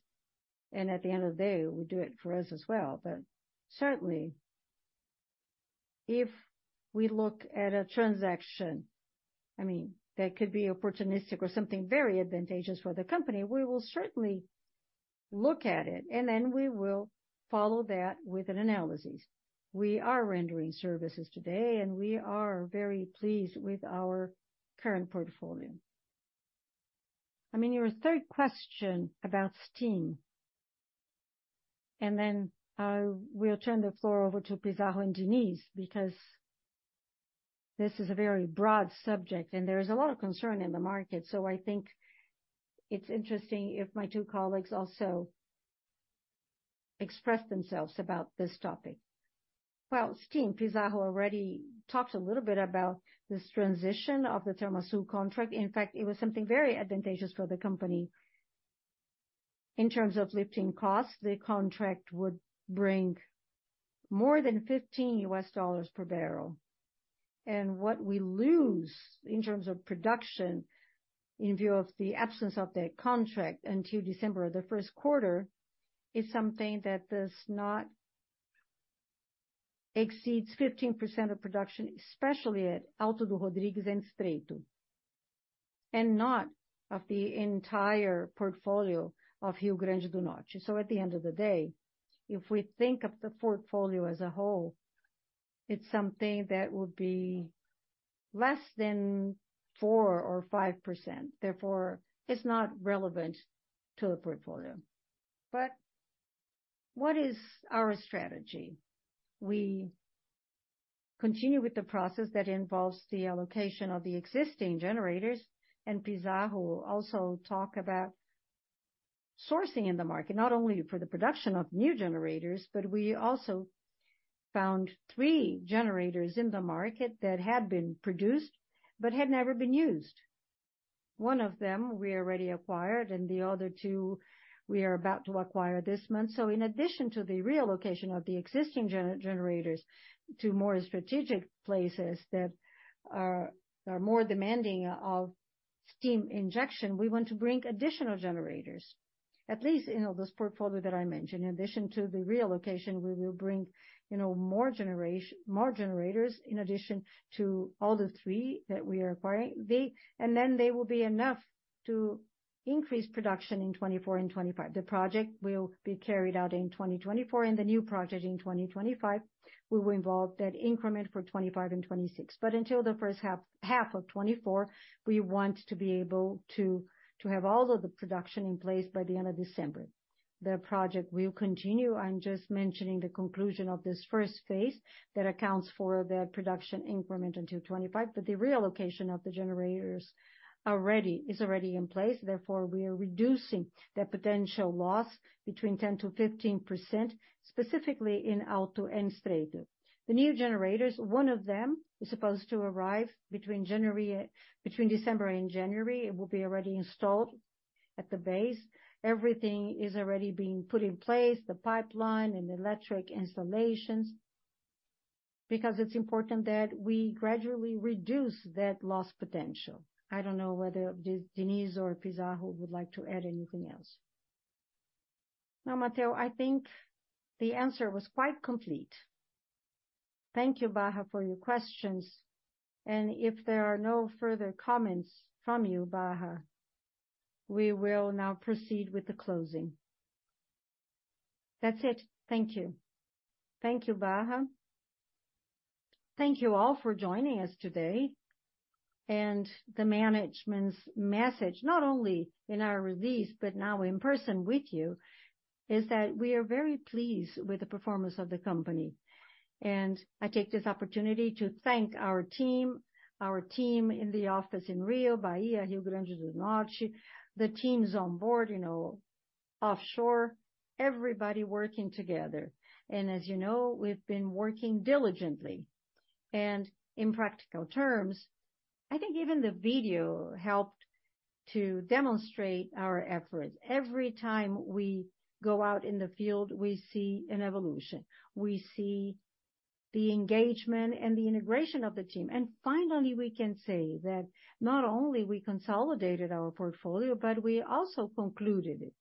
and at the end of the day, we do it for us as well. But certainly, if we look at a transaction, I mean, that could be opportunistic or something very advantageous for the company, we will certainly look at it, and then we will follow that with an analysis. We are rendering services today, and we are very pleased with our current portfolio. I mean, your third question about steam, and then we'll turn the floor over to Pizarro and Diniz, because this is a very broad subject, and there is a lot of concern in the market. So I think it's interesting if my two colleagues also express themselves about this topic. Well, steam, Pizarro already talked a little bit about this transition of the Termoaçu contract. In fact, it was something very advantageous for the company. In terms of lifting costs, the contract would bring more than $15 per barrel. What we lose in terms of production, in view of the absence of that contract until December of the first quarter, is something that does not exceed 15% of production, especially at Alto do Rodrigues and Estreito, and not of the entire portfolio of Rio Grande do Norte. At the end of the day, if we think of the portfolio as a whole, it's something that would be less than 4% or 5%. Therefore, it's not relevant to the portfolio. What is our strategy? We continue with the process that involves the allocation of the existing generators, and Pizarro will also talk about sourcing in the market, not only for the production of new generators, but we also found 3 generators in the market that had been produced but had never been used. One of them we already acquired, and the other two we are about to acquire this month. So in addition to the relocation of the existing generators to more strategic places that are more demanding of steam injection, we want to bring additional generators, at least in all this portfolio that I mentioned. In addition to the relocation, we will bring, you know, more generators, in addition to all the three that we are acquiring. And then they will be enough to increase production in 2024 and 2025. The project will be carried out in 2024, and the new project in 2025 will involve that increment for 2025 and 2026. But until the first half of 2024, we want to be able to have all of the production in place by the end of December. The project will continue. I'm just mentioning the conclusion of this first phase that accounts for the production increment until 2025, but the reallocation of the generators already is already in place. Therefore, we are reducing the potential loss between 10%-15%, specifically in Alto and Estreito. The new generators, one of them is supposed to arrive between December and January. It will be already installed at the base. Everything is already being put in place, the pipeline and the electric installations, because it's important that we gradually reduce that loss potential. I don't know whether this Diniz or Pizarro would like to add anything else. No, Matheus, I think the answer was quite complete. Thank you, Barra, for your questions, and if there are no further comments from you, Barra, we will now proceed with the closing. That's it. Thank you. Thank you, Barra. Thank you all for joining us today. The management's message, not only in our release, but now in person with you, is that we are very pleased with the performance of the company. I take this opportunity to thank our team, our team in the office in Rio, Bahia, Rio Grande do Norte, the teams on board, you know, offshore, everybody working together. As you know, we've been working diligently. In practical terms, I think even the video helped to demonstrate our efforts. Every time we go out in the field, we see an evolution, we see the engagement and the integration of the team. Finally, we can say that not only we consolidated our portfolio, but we also concluded it.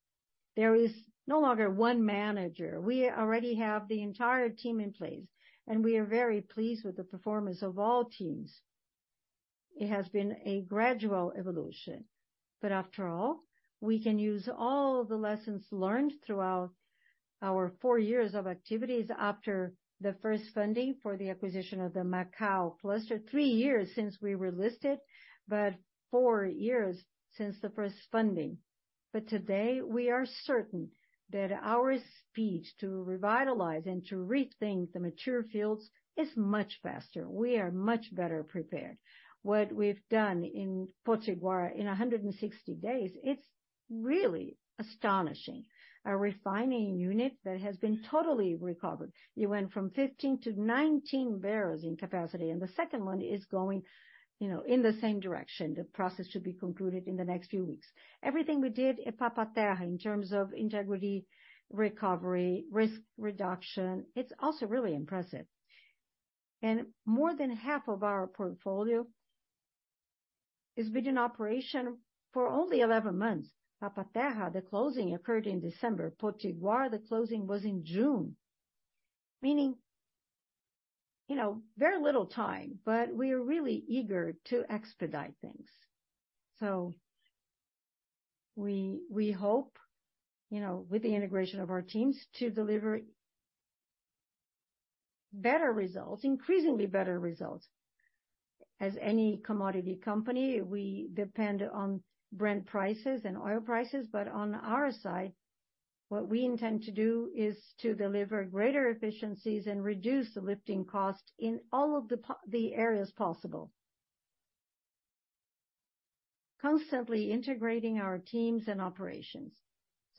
There is no longer one manager. We already have the entire team in place, and we are very pleased with the performance of all teams. It has been a gradual evolution, but after all, we can use all the lessons learned throughout our four years of activities after the first funding for the acquisition of the Macau Cluster. Three years since we were listed, but four years since the first funding. But today, we are certain that our speed to revitalize and to rethink the mature fields is much faster. We are much better prepared. What we've done in Potiguar in 160 days, it's really astonishing. Our refining unit that has been totally recovered. It went from 15 to 19 barrels in capacity, and the second one is going, you know, in the same direction. The process should be concluded in the next few weeks. Everything we did at Papa-Terra, in terms of integrity, recovery, risk reduction, it's also really impressive. More than half of our portfolio has been in operation for only 11 months. Papa-Terra, the closing occurred in December. Potiguar, the closing was in June, meaning, you know, very little time, but we are really eager to expedite things. We hope, you know, with the integration of our teams, to deliver better results, increasingly better results. As any commodity company, we depend on Brent prices and oil prices, but on our side, what we intend to do is to deliver greater efficiencies and reduce the lifting cost in all of the areas possible, constantly integrating our teams and operations.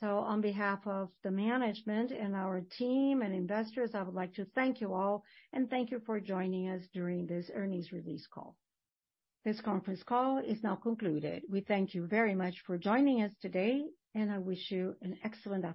On behalf of the management and our team and investors, I would like to thank you all, and thank you for joining us during this earnings release call. This conference call is now concluded. We thank you very much for joining us today, and I wish you an excellent afternoon.